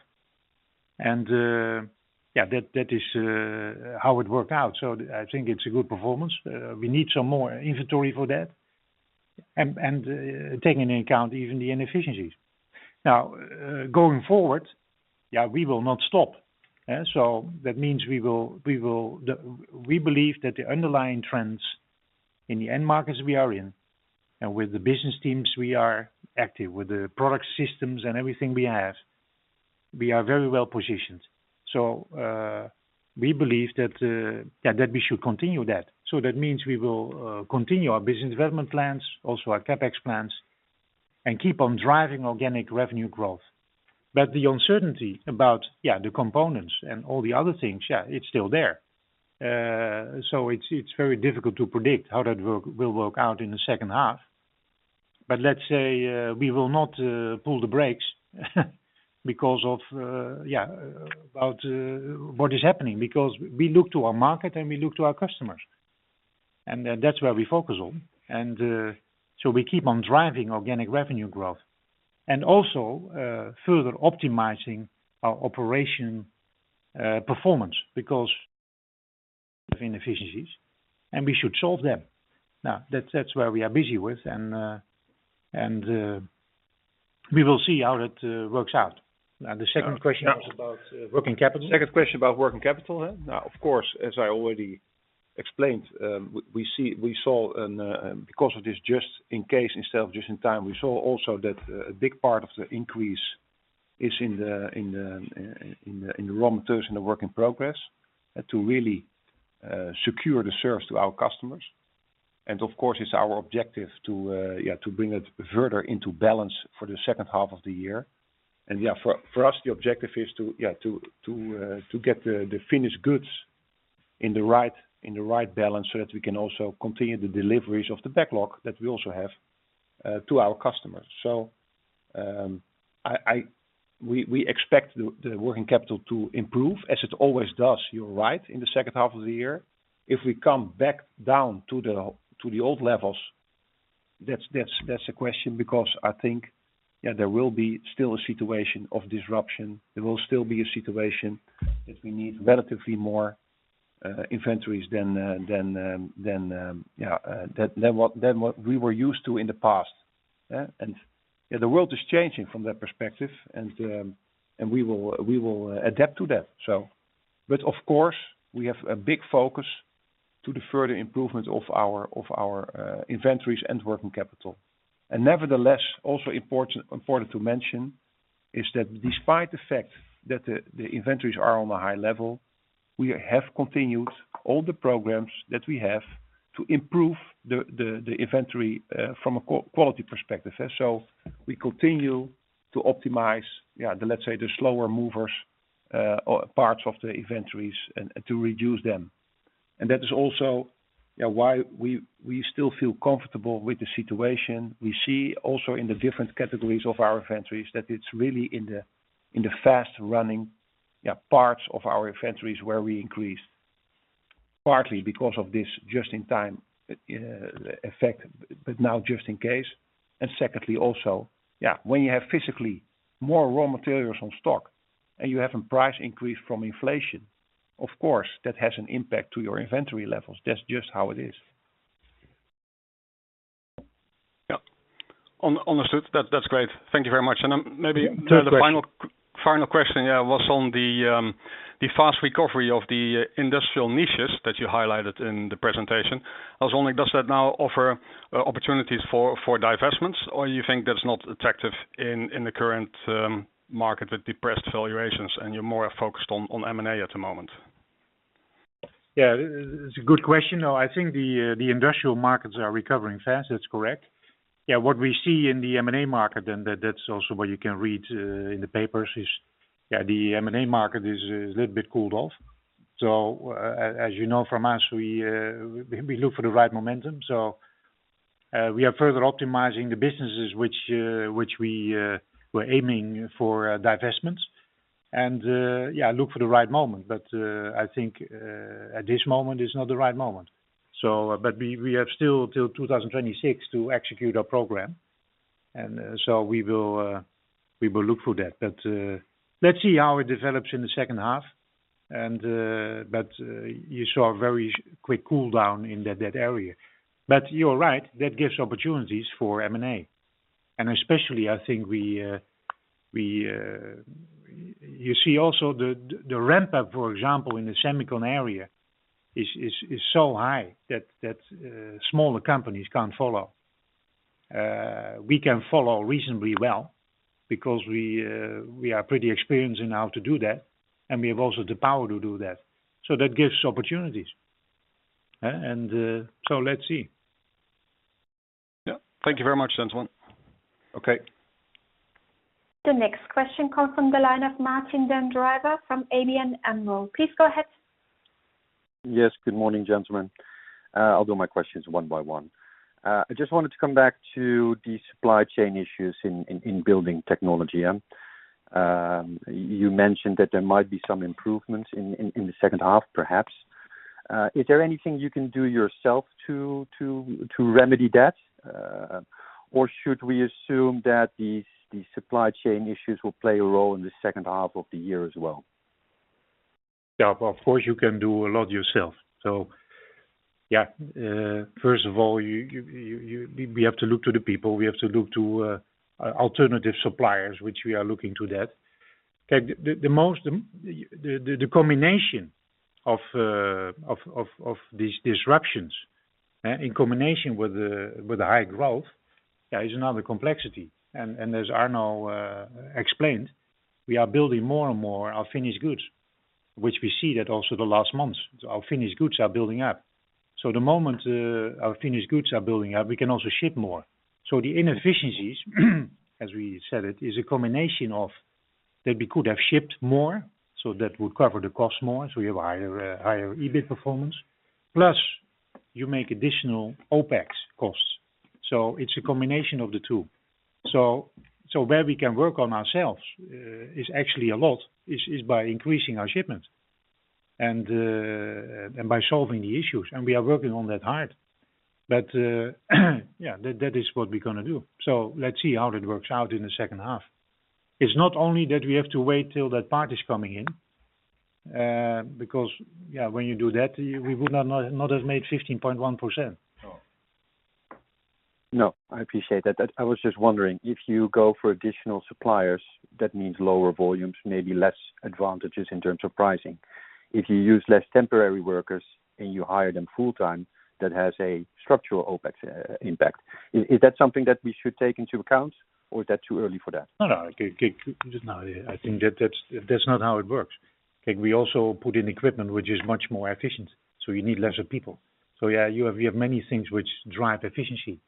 Yeah, that is how it worked out. I think it's a good performance. We need some more inventory for that and taking into account even the inefficiencies. Now, going forward, yeah, we will not stop. That means we will. We believe that the underlying trends in the end markets we are in and with the business teams we are active, with the product systems and everything we have, we are very well-positioned. We believe that that we should continue that. That means we will continue our business development plans, also our CapEx plans, and keep on driving organic revenue growth. But the uncertainty about the components and all the other things, it's still there. It's very difficult to predict how that will work out in the second half. But let's say, we will not pull the brakes because of what is happening, because we look to our market and we look to our customers, and that's where we focus on. We keep on driving organic revenue growth and also further optimizing our operation performance because of inefficiencies and we should solve them. Now, that's where we are busy with and we will see how that works out. Now the second question was about working capital. Second question about working capital. Now, of course, as I already explained, we saw and because of this just in case, instead of just in time, we saw also that a big part of the increase is in the raw materials, in the work in progress to really secure the service to our customers. Of course, it's our objective to yeah to bring it further into balance for the second half of the year. Yeah, for us, the objective is to yeah to to get the finished goods in the right balance so that we can also continue the deliveries of the backlog that we also have to our customers. We expect the working capital to improve, as it always does, you're right, in the second half of the year. If we come back down to the old levels, that's the question, because I think there will still be a situation of disruption. There will still be a situation that we need relatively more inventories than what we were used to in the past. The world is changing from that perspective and we will adapt to that. Of course, we have a big focus on the further improvement of our inventories and working capital. Nevertheless, also important to mention is that despite the fact that the inventories are on a high level, we have continued all the programs that we have to improve the inventory from a quality perspective. We continue to optimize, let's say, the slower movers or parts of the inventories and to reduce them. That is also why we still feel comfortable with the situation. We see also in the different categories of our inventories that it's really in the fast-running parts of our inventories where we increased, partly because of this just in time effect, but now just in case. Secondly, when you have physically more raw materials on stock and you have a price increase from inflation, of course that has an impact to your inventory levels. That's just how it is. Yeah. Understood. That's great. Thank you very much. Maybe the final question was on the fast recovery of the industrial niches that you highlighted in the presentation. I was wondering, does that now offer opportunities for divestments or you think that's not attractive in the current market with depressed valuations and you're more focused on M&A at the moment? Yeah. It's a good question. No, I think the industrial markets are recovering fast. That's correct. Yeah, what we see in the M&A market, and that's also what you can read in the papers is, yeah, the M&A market is a little bit cooled off. As you know from us, we look for the right momentum. We are further optimizing the businesses which we are aiming for divestments and yeah, look for the right moment. I think at this moment is not the right moment. We have still till 2026 to execute our program. We will look for that. Let's see how it develops in the second half. You saw a very quick cool down in that area. You're right, that gives opportunities for M&A and especially I think we. You see also the ramp-up, for example, in the semicon area is so high that smaller companies can't follow. We can follow reasonably well because we are pretty experienced in how to do that, and we have also the power to do that. That gives opportunities. And so let's see. Yeah. Thank you very much, gentlemen. Okay. The next question comes from the line of Martijn den Drijver from ABN AMRO. Please go ahead. Yes. Good morning, gentlemen. I'll do my questions one by one. I just wanted to come back to the supply chain issues in building technology. You mentioned that there might be some improvements in the second half, perhaps. Is there anything you can do yourself to remedy that, or should we assume that these supply chain issues will play a role in the second half of the year as well? Yeah. Of course, you can do a lot yourself. First of all, we have to look to the people. We have to look to alternative suppliers, which we are looking into that. The combination of these disruptions in combination with the high growth is another complexity. As Arno explained, we are building more and more our finished goods, which we see that also the last months. Our finished goods are building up. The moment our finished goods are building up, we can also ship more. The inefficiencies, as we said it, is a combination of that we could have shipped more, so that would cover the cost more, so we have higher EBIT performance, plus you make additional OpEx costs. It's a combination of the two. Where we can work on ourselves is actually a lot by increasing our shipments and by solving the issues. We are working on that hard. That is what we're gonna do. Let's see how that works out in the second half. It's not only that we have to wait till that part is coming in, because when you do that, we would not have made 15.1%. No, I appreciate that. I was just wondering, if you go for additional suppliers, that means lower volumes, maybe less advantages in terms of pricing. If you use less temporary workers and you hire them full-time, that has a structural OpEx impact. Is that something that we should take into account or is that too early for that? No, no. Just no. I think that's not how it works. Okay. We also put in equipment which is much more efficient, so you need lesser people. Yeah, we have many things which drive efficiency.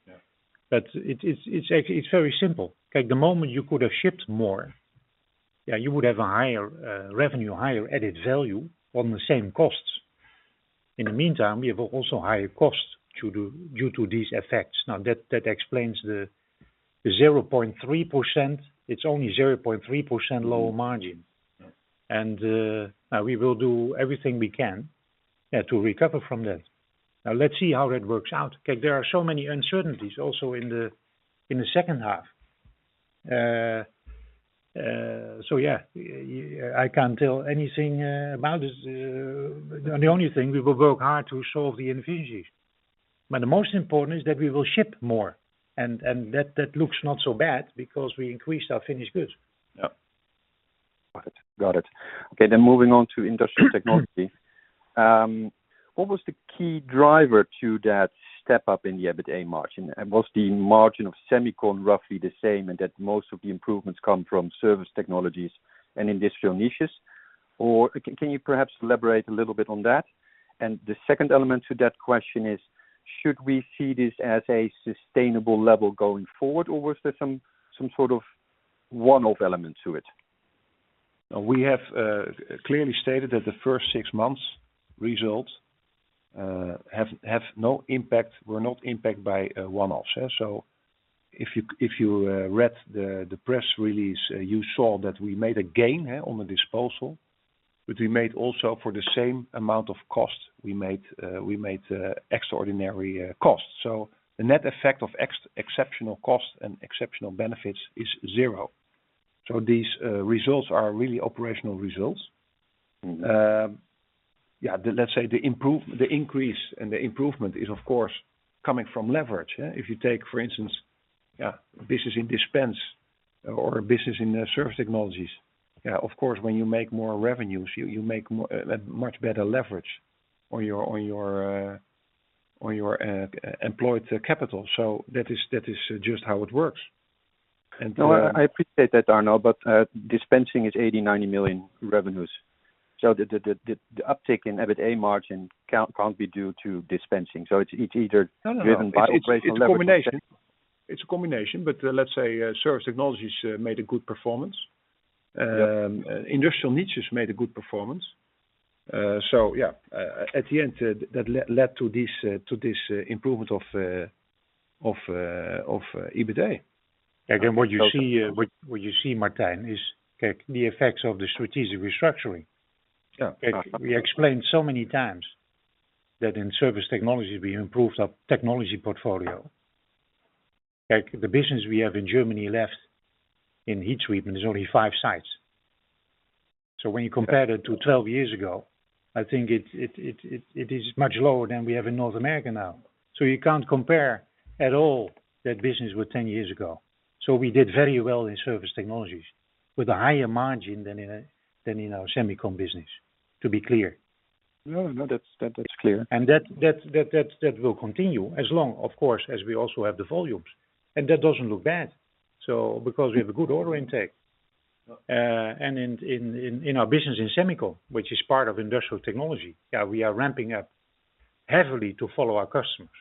Yeah. It's actually very simple. Okay. The moment you could have shipped more, yeah, you would have a higher revenue, higher added value on the same costs. In the meantime, we have also higher costs too, due to these effects. Now, that explains the 0.3%. It's only 0.3% lower margin. Yeah. We will do everything we can, yeah, to recover from that. Now, let's see how that works out. There are so many uncertainties also in the second half. Yeah, I can't tell anything about it. The only thing, we will work hard to solve the inefficiencies, but the most important is that we will ship more and that looks not so bad because we increased our finished goods. Yeah. Got it. Okay, moving on to industrial technology. What was the key driver to that step up in the EBITDA margin? Was the margin of semicon roughly the same and that most of the improvements come from surface technologies and industrial niches? Or can you perhaps elaborate a little bit on that? The second element to that question is, should we see this as a sustainable level going forward or was there some sort of one-off element to it? We have clearly stated that the first six months results have no impact, were not impacted by one-offs. If you read the press release, you saw that we made a gain, yeah, on the disposal, but we also made for the same amount of cost, we made extraordinary costs. The net effect of exceptional costs and exceptional benefits is zero. These results are really operational results. Mm-hmm. Yeah, let's say the increase and the improvement is of course coming from leverage. If you take, for instance, yeah, business in dispensing or business in surface technologies, yeah, of course, when you make more revenues, you make a much better leverage on your employed capital. That is just how it works. No, I appreciate that, Arno, but dispensing is 80-90 million revenues. The uptick in EBITDA margin can't be due to dispensing. It's either- No, no. driven by operational leverage. It's a combination, but let's say surface technologies made a good performance. Yeah. Industrial niches made a good performance. Yeah. At the end, that led to this improvement of EBITDA. Okay. Again, what you see, Martin, is the effects of the strategic restructuring. Yeah. We explained so many times that in surface technologies we improved our technology portfolio. Like, the business we have in Germany left in heat treatment is only 5 sites. When you compare it to 12 years ago, I think it is much lower than we have in North America now. You can't compare at all that business with 10 years ago. We did very well in surface technologies with a higher margin than in our semicon business, to be clear. No, that's clear. That will continue as long, of course, as we also have the volumes. That doesn't look bad. Because we have a good order intake, and in our business in semicon, which is part of industrial technology, yeah, we are ramping up. We have to follow our customers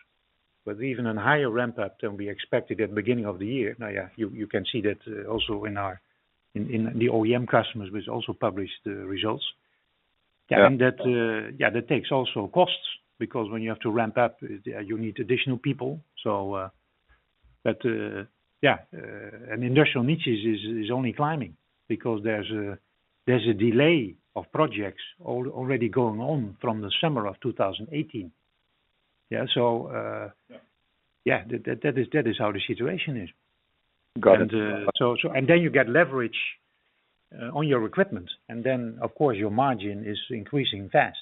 with even a higher ramp up than we expected at the beginning of the year. Now, yeah, you can see that also in the OEM customers, which also published results. Yeah. That takes also costs because when you have to ramp up, you need additional people. Industrial niches is only climbing because there's a delay of projects already going on from the summer of 2018. Yeah. Yeah. That is how the situation is. Got it. You get leverage on your equipment, and then, of course, your margin is increasing fast.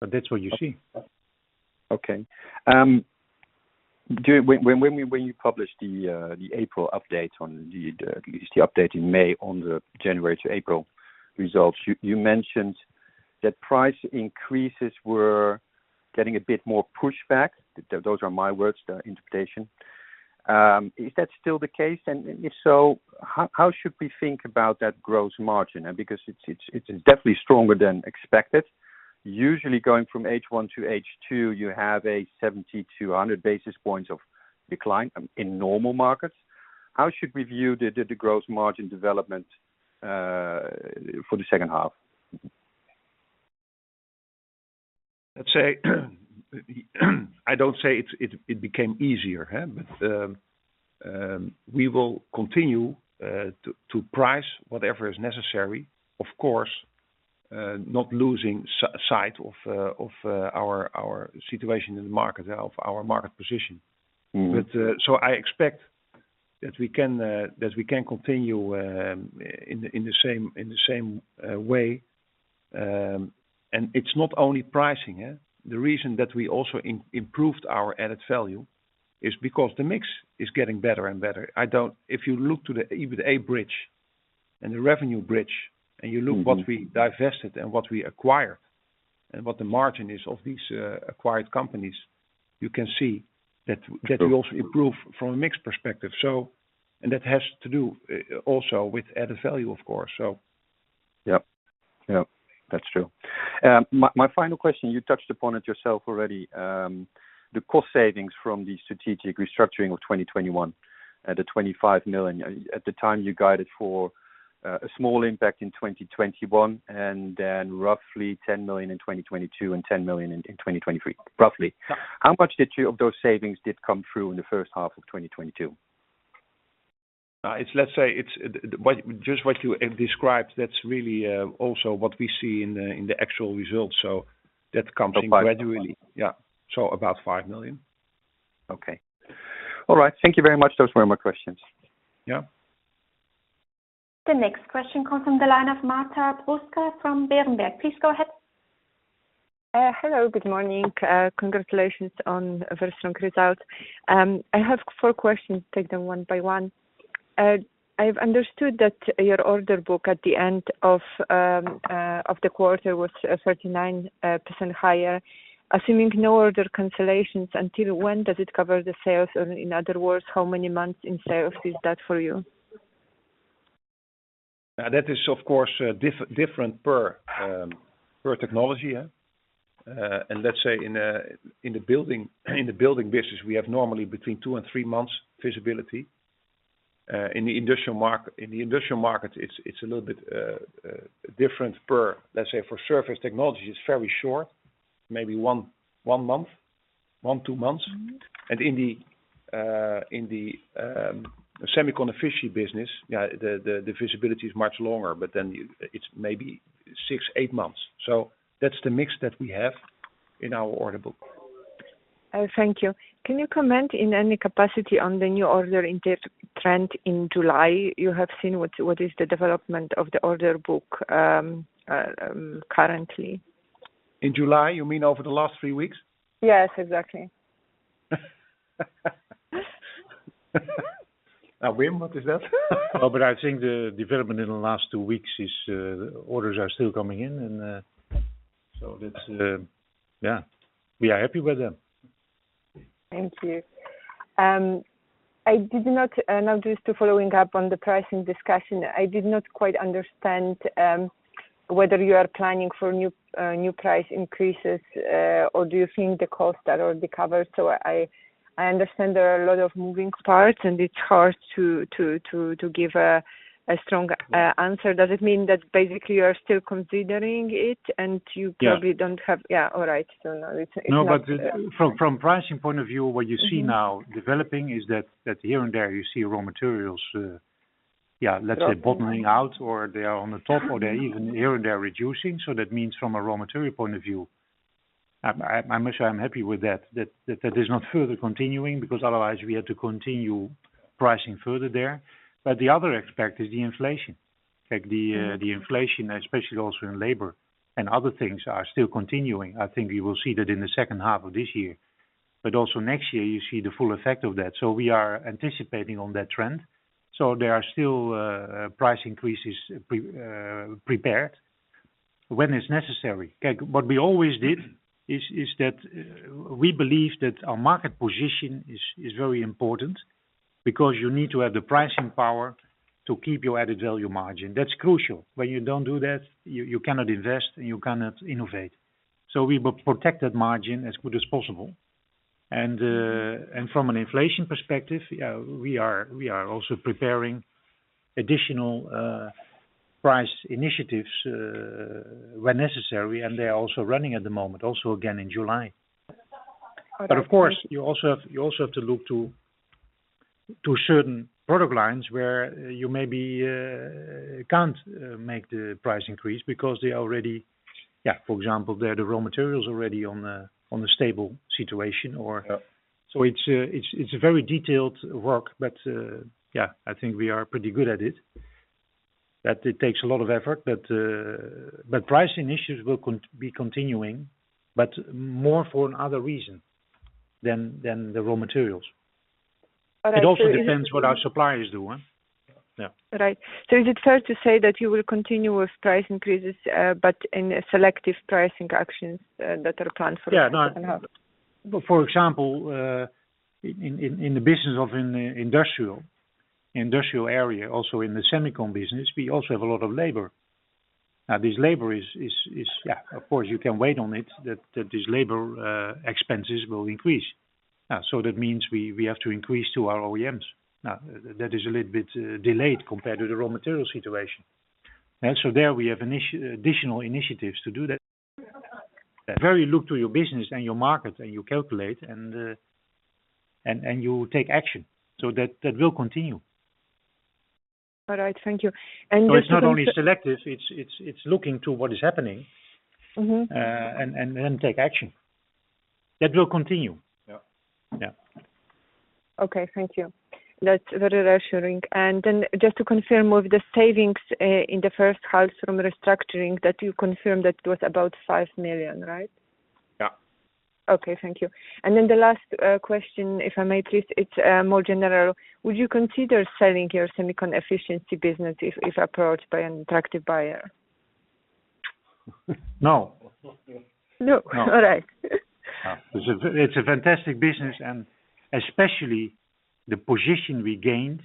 That's what you see. Okay. When you published the April update on at least the update in May on the January to April results, you mentioned that price increases were getting a bit more pushback. Those are my words, the interpretation. Is that still the case? If so, how should we think about that gross margin? Because it's definitely stronger than expected. Usually going from H1 to H2, you have 70-100 basis points of decline in normal markets. How should we view the gross margin development for the second half? Let's say, I don't say it became easier. We will continue to price whatever is necessary, of course, not losing sight of our situation in the market, of our market position. Mm-hmm. I expect that we can continue in the same way. It's not only pricing, yeah. The reason that we also improved our added value is because the mix is getting better and better. If you look at the EBITDA bridge and the revenue bridge, and you look Mm-hmm what we divested and what we acquired and what the margin is of these acquired companies, you can see that we also improve from a mix perspective. That has to do also with added value, of course. Yep. That's true. My final question, you touched upon it yourself already, the cost savings from the strategic restructuring of 2021, the 25 million. At the time, you guided for a small impact in 2021, and then roughly 10 million in 2022 and 10 million in 2023, roughly. Yeah. How much of those savings did come through in the first half of 2022? Just what you described, that's really also what we see in the actual results. That comes in gradually. 5 million. Yeah. About 5 million. Okay. All right. Thank you very much. Those were my questions. Yeah. The next question comes from the line of Marta Bruska from Berenberg. Please go ahead. Hello, good morning. Congratulations on very strong results. I have four questions. Take them one by one. I've understood that your order book at the end of the quarter was 39% higher. Assuming no order cancellations, until when does it cover the sales? Or in other words, how many months in sales is that for you? That is, of course, different per technology, yeah. Let's say in the building technology, we have normally between two and three months visibility. In the industrial technology, it's a little bit different. Let's say for surface technologies, it's very short, maybe one month, one two months. Mm-hmm. In the semicon efficiency business, the visibility is much longer, but then it's maybe 6-8 months. That's the mix that we have in our order book. Thank you. Can you comment in any capacity on the new order intake and the trend in July? You have seen what is the development of the order book currently. In July, you mean over the last three weeks? Yes, exactly. Now, Wim, what is that? Oh, I think the development in the last two weeks is orders are still coming in and so that's yeah, we are happy with them. Thank you. Now just to follow up on the pricing discussion, I did not quite understand whether you are planning for new price increases, or do you think the costs are already covered? I understand there are a lot of moving parts, and it's hard to give a strong answer. Does it mean that basically you are still considering it and you- Yeah Yeah, all right. No, it's not. No, from pricing point of view, what you see now developing is that here and there you see raw materials, let's say bottoming out or they are on the top or they're even here and there reducing. That means from a raw material point of view, I must say I'm happy with that there's no further continuing because otherwise we have to continue pricing further there. The other aspect is the inflation. Like the inflation, especially also in labor and other things are still continuing. I think we will see that in the second half of this year, but also next year you see the full effect of that. We are anticipating on that trend. There are still price increases prepared when it's necessary. Like what we always did is that we believe that our market position is very important. Because you need to have the pricing power to keep your added value margin. That's crucial. When you don't do that, you cannot invest and you cannot innovate. We will protect that margin as good as possible. From an inflation perspective, yeah, we are also preparing additional price initiatives when necessary, and they are also running at the moment, also again in July. Of course, you also have to look to certain product lines where you maybe can't make the price increase because they already, yeah, for example, they're the raw materials already on a stable situation or. Yeah. It's a very detailed work, but yeah, I think we are pretty good at it, that it takes a lot of effort, but pricing issues will be continuing, but more for another reason than the raw materials. All right. It also depends what our suppliers do, huh? Yeah. Right. Is it fair to say that you will continue with price increases, but in a selective pricing actions, that are planned for the second half? Yeah. No. For example, in the industrial area, also in the semicon business, we also have a lot of labor. Now, this labor is, of course, you can bet on it that this labor expenses will increase. That means we have to increase to our OEMs. Now, that is a little bit delayed compared to the raw material situation. There we have additional initiatives to do that. We look to your business and your market, and you calculate, and you take action. That will continue. All right. Thank you. Just to confirm. It's not only selective, it's looking to what is happening. Mm-hmm. take action. That will continue. Yeah. Yeah. Okay, thank you. That's very reassuring. Just to confirm of the savings in the first half from restructuring that you confirmed it was about 5 million, right? Yeah. Okay, thank you. The last question, if I may please. It's more general. Would you consider selling your semicon efficiency business if approached by an attractive buyer? No. No. No? All right. No. It's a fantastic business, and especially the position we gained,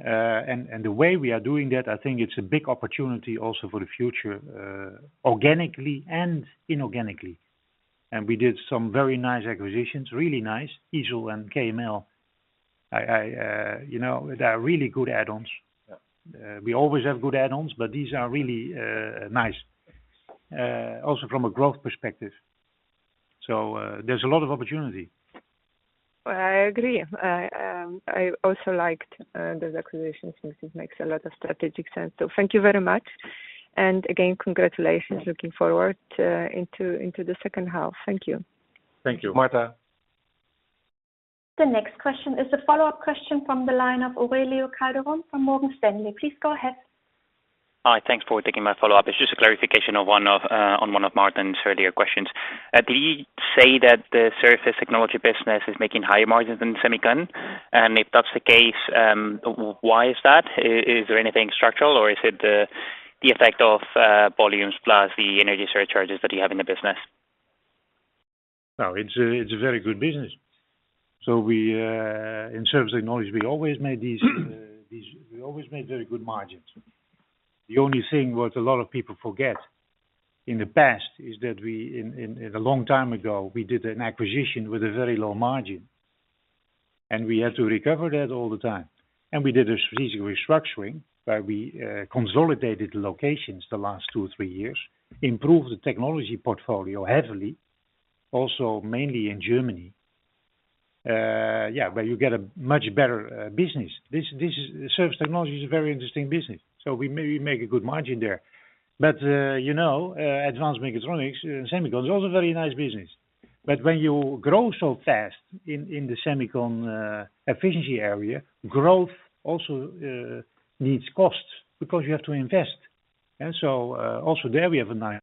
and the way we are doing that. I think it's a big opportunity also for the future, organically and inorganically. We did some very nice acquisitions, really nice, isel and KML. I, you know, they are really good add-ons. Yeah. We always have good add-ons, but these are really nice, also from a growth perspective. There's a lot of opportunity. I agree. I also liked those acquisitions since it makes a lot of strategic sense. Thank you very much. Again, congratulations. Looking forward into the second half. Thank you. Thank you. Martha. The next question is a follow-up question from the line of Aurelio Calderon from Morgan Stanley. Please go ahead. Hi. Thanks for taking my follow-up. It's just a clarification on one of Martin's earlier questions. Did he say that the Surface Technology business is making higher margins than semicon? If that's the case, why is that? Is there anything structural or is it the effect of volumes plus the energy surcharges that you have in the business? No, it's a very good business. In Surface Technology, we always made very good margins. The only thing that a lot of people forget in the past is that we a long time ago did an acquisition with a very low margin, and we had to recover that all the time. We did a strategic restructuring, where we consolidated locations the last two, three years, improved the technology portfolio heavily, also mainly in Germany, where you get a much better business. Surface Technology is a very interesting business, we make a good margin there. You know, Advanced Mechatronics, semicon is also a very nice business. When you grow so fast in the semicon efficiency area, growth also needs costs because you have to invest. Also there we have a nice,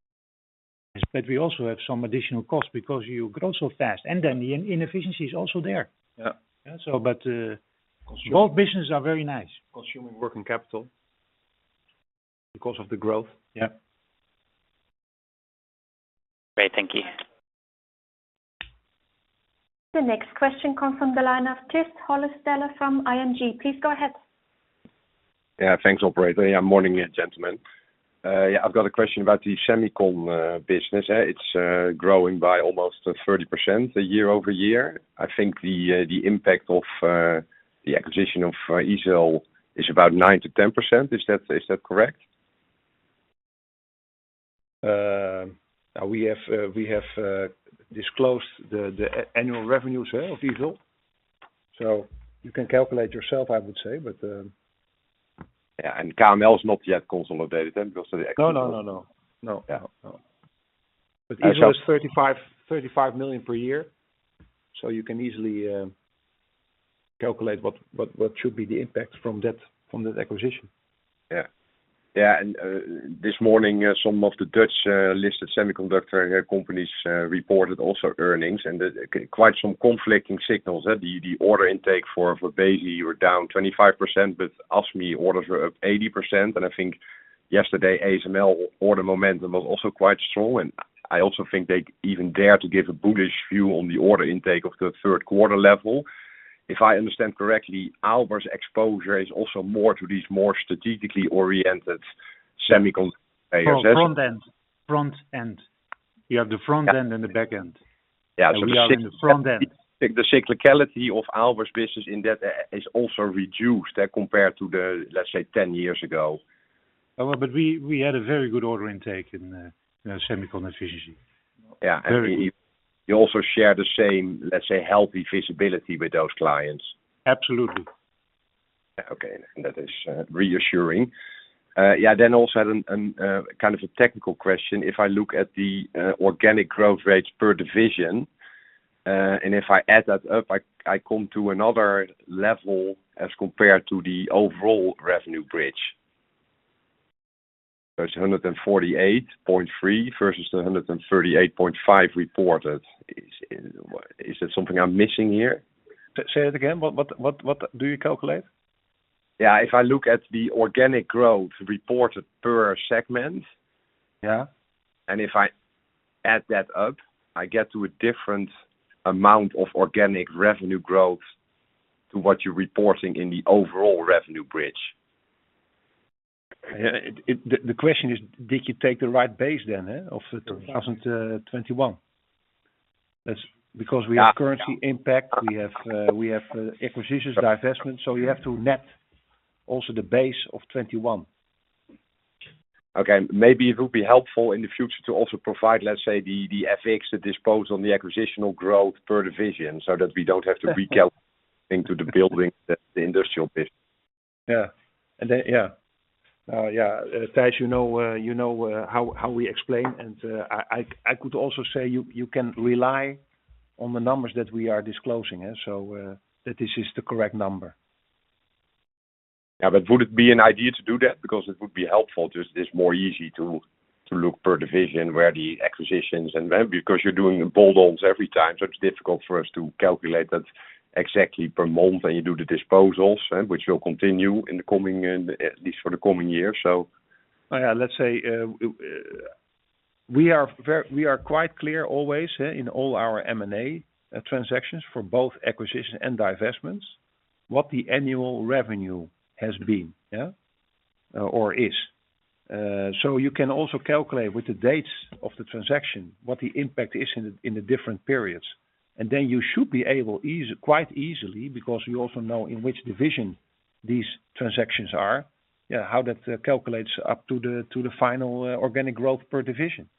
but we also have some additional costs because you grow so fast, and then the inefficiency is also there. Yeah. Both businesses are very nice. Consuming working capital. Because of the growth, yeah. Great. Thank you. The next question comes from the line of Chris Hollister from ING. Please go ahead. Yeah. Thanks, operator. Yeah, morning, gentlemen. I've got a question about the semicon business. It's growing by almost 30% year-over-year. I think the impact of the acquisition of isel is about 9%-10%. Is that correct? We have disclosed the annual revenues of isel. You can calculate yourself, I would say. Yeah. KML is not yet consolidated then because of the acquisition. No. Yeah. No. KML isel is 35 million per year, so you can easily calculate what should be the impact from that acquisition. Yeah. Yeah. This morning some of the Dutch listed semiconductor companies reported also earnings and quite some conflicting signals. The order intake for Besi were down 25%, but ASMI orders were up 80%. I think yesterday, ASML order momentum was also quite strong, and I also think they even dare to give a bullish view on the order intake of the third quarter level. If I understand correctly, Aalberts' exposure is also more to these more strategically oriented semicon- front end. You have the front end and the back end. Yeah. We are the front end. The cyclicality of Aalberts business in that is also reduced compared to the, let's say, 10 years ago. Well, we had a very good order intake in semicon efficiency. Yeah. Very good. You also share the same, let's say, healthy visibility with those clients. Absolutely. Okay. That is reassuring. Yeah. Also a kind of technical question. If I look at the organic growth rates per division, and if I add that up, I come to another level as compared to the overall revenue bridge. There's 148.3 versus the 138.5 reported. What? Is there something I'm missing here? Say it again. What do you calculate? Yeah. If I look at the organic growth reported per segment. Yeah If I add that up, I get to a different amount of organic revenue growth to what you're reporting in the overall revenue bridge. The question is, did you take the right base then of the 2021? Because we have currency impact, acquisitions, divestment. You have to net also the base of 2021. Okay. Maybe it would be helpful in the future to also provide, let's say, the FX, the disposals and the acquisitional growth per division, so that we don't have to recalculate the Building and the Industrial business. Yeah. Yeah. As you know, you know, how we explain. I could also say you can rely on the numbers that we are disclosing. Yeah. That is just the correct number. Yeah, would it be an idea to do that? Because it would be helpful. Just it's more easy to look per division where the acquisitions and then. Because you're doing the bolt-ons every time, so it's difficult for us to calculate that exactly per month. You do the disposals, which will continue in the coming, and at least for the coming year. Oh, yeah. Let's say we are quite clear always, yeah, in all our M&A transactions for both acquisitions and divestments, what the annual revenue has been, yeah, or is. So you can also calculate with the dates of the transaction what the impact is in the different periods. Then you should be quite easily, because you also know in which division these transactions are. Yeah, how that calculates up to the final organic growth per division,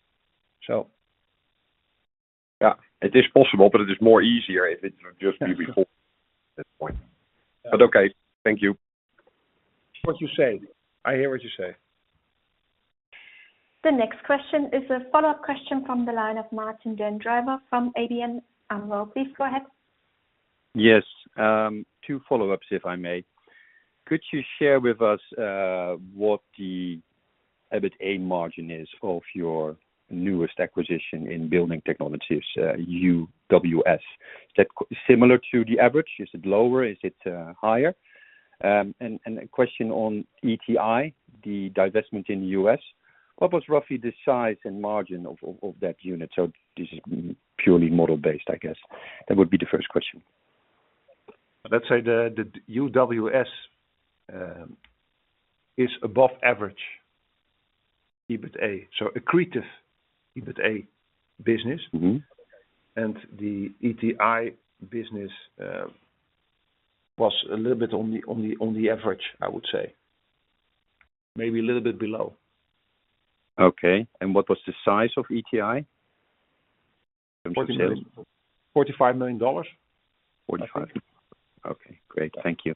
so. Yeah. It is possible, but it is more easier if it would just be before that point. Okay. Thank you. What you say. I hear what you say. The next question is a follow-up question from the line of Martijn den Drijver from ABN AMRO. Please go ahead. Yes. Two follow-ups, if I may. Could you share with us what the EBITA margin is of your newest acquisition in building technology, UWS? Is that similar to the average? Is it lower? Is it higher? And a question on ETI, the divestment in the U.S. What was roughly the size and margin of that unit? This is purely model based, I guess. That would be the first question. Let's say the UWS is above average EBITA, so accretive EBITA business. Mm-hmm. The ETI business was a little bit on the average, I would say. Maybe a little bit below. Okay. What was the size of ETI? 49. $45 million. 45. Okay, great. Thank you.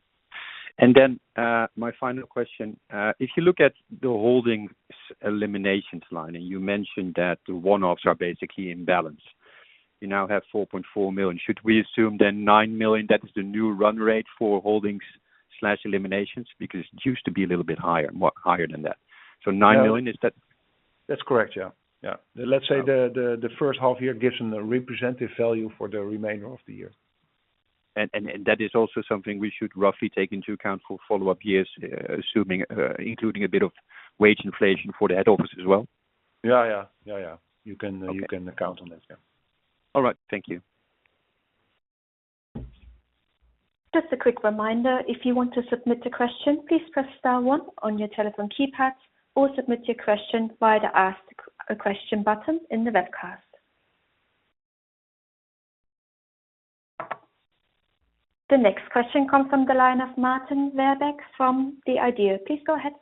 My final question. If you look at the holdings eliminations line, and you mentioned that the one-offs are basically in balance. You now have 4.4 million. Should we assume then 9 million, that is the new run rate for holdings/eliminations? Because it used to be a little bit higher, more higher than that. Nine million, is that? That's correct. Yeah. Yeah. Okay. Let's say the first half year gives them a representative value for the remainder of the year. that is also something we should roughly take into account for follow-up years, assuming including a bit of wage inflation for the head office as well? Yeah, yeah. Okay. You can count on that. Yeah. All right. Thank you. Just a quick reminder, if you want to submit a question, please press star one on your telephone keypad or submit your question via the Ask a Question button in the webcast. The next question comes from the line of Maarten Verwaaij from ODDO BHF. Please go ahead.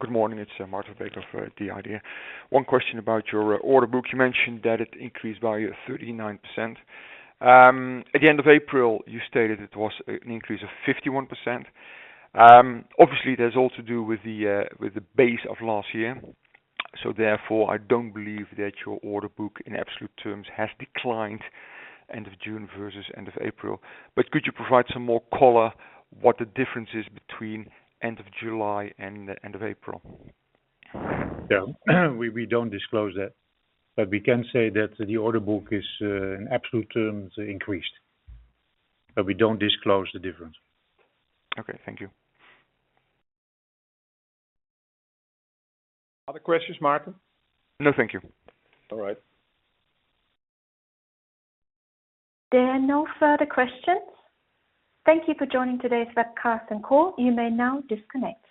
Good morning. It's Maarten Verwaaij of ODDO BHF. One question about your order book. You mentioned that it increased by 39%. At the end of April, you stated it was an increase of 51%. Obviously, that's also due to the base of last year. Therefore, I don't believe that your order book in absolute terms has declined end of June versus end of April. Could you provide some more color what the difference is between end of July and the end of April? Yeah. We don't disclose that. We can say that the order book is in absolute terms increased, but we don't disclose the difference. Okay. Thank you. Other questions, Maarten? No, thank you. All right. There are no further questions. Thank you for joining today's webcast and call. You may now disconnect.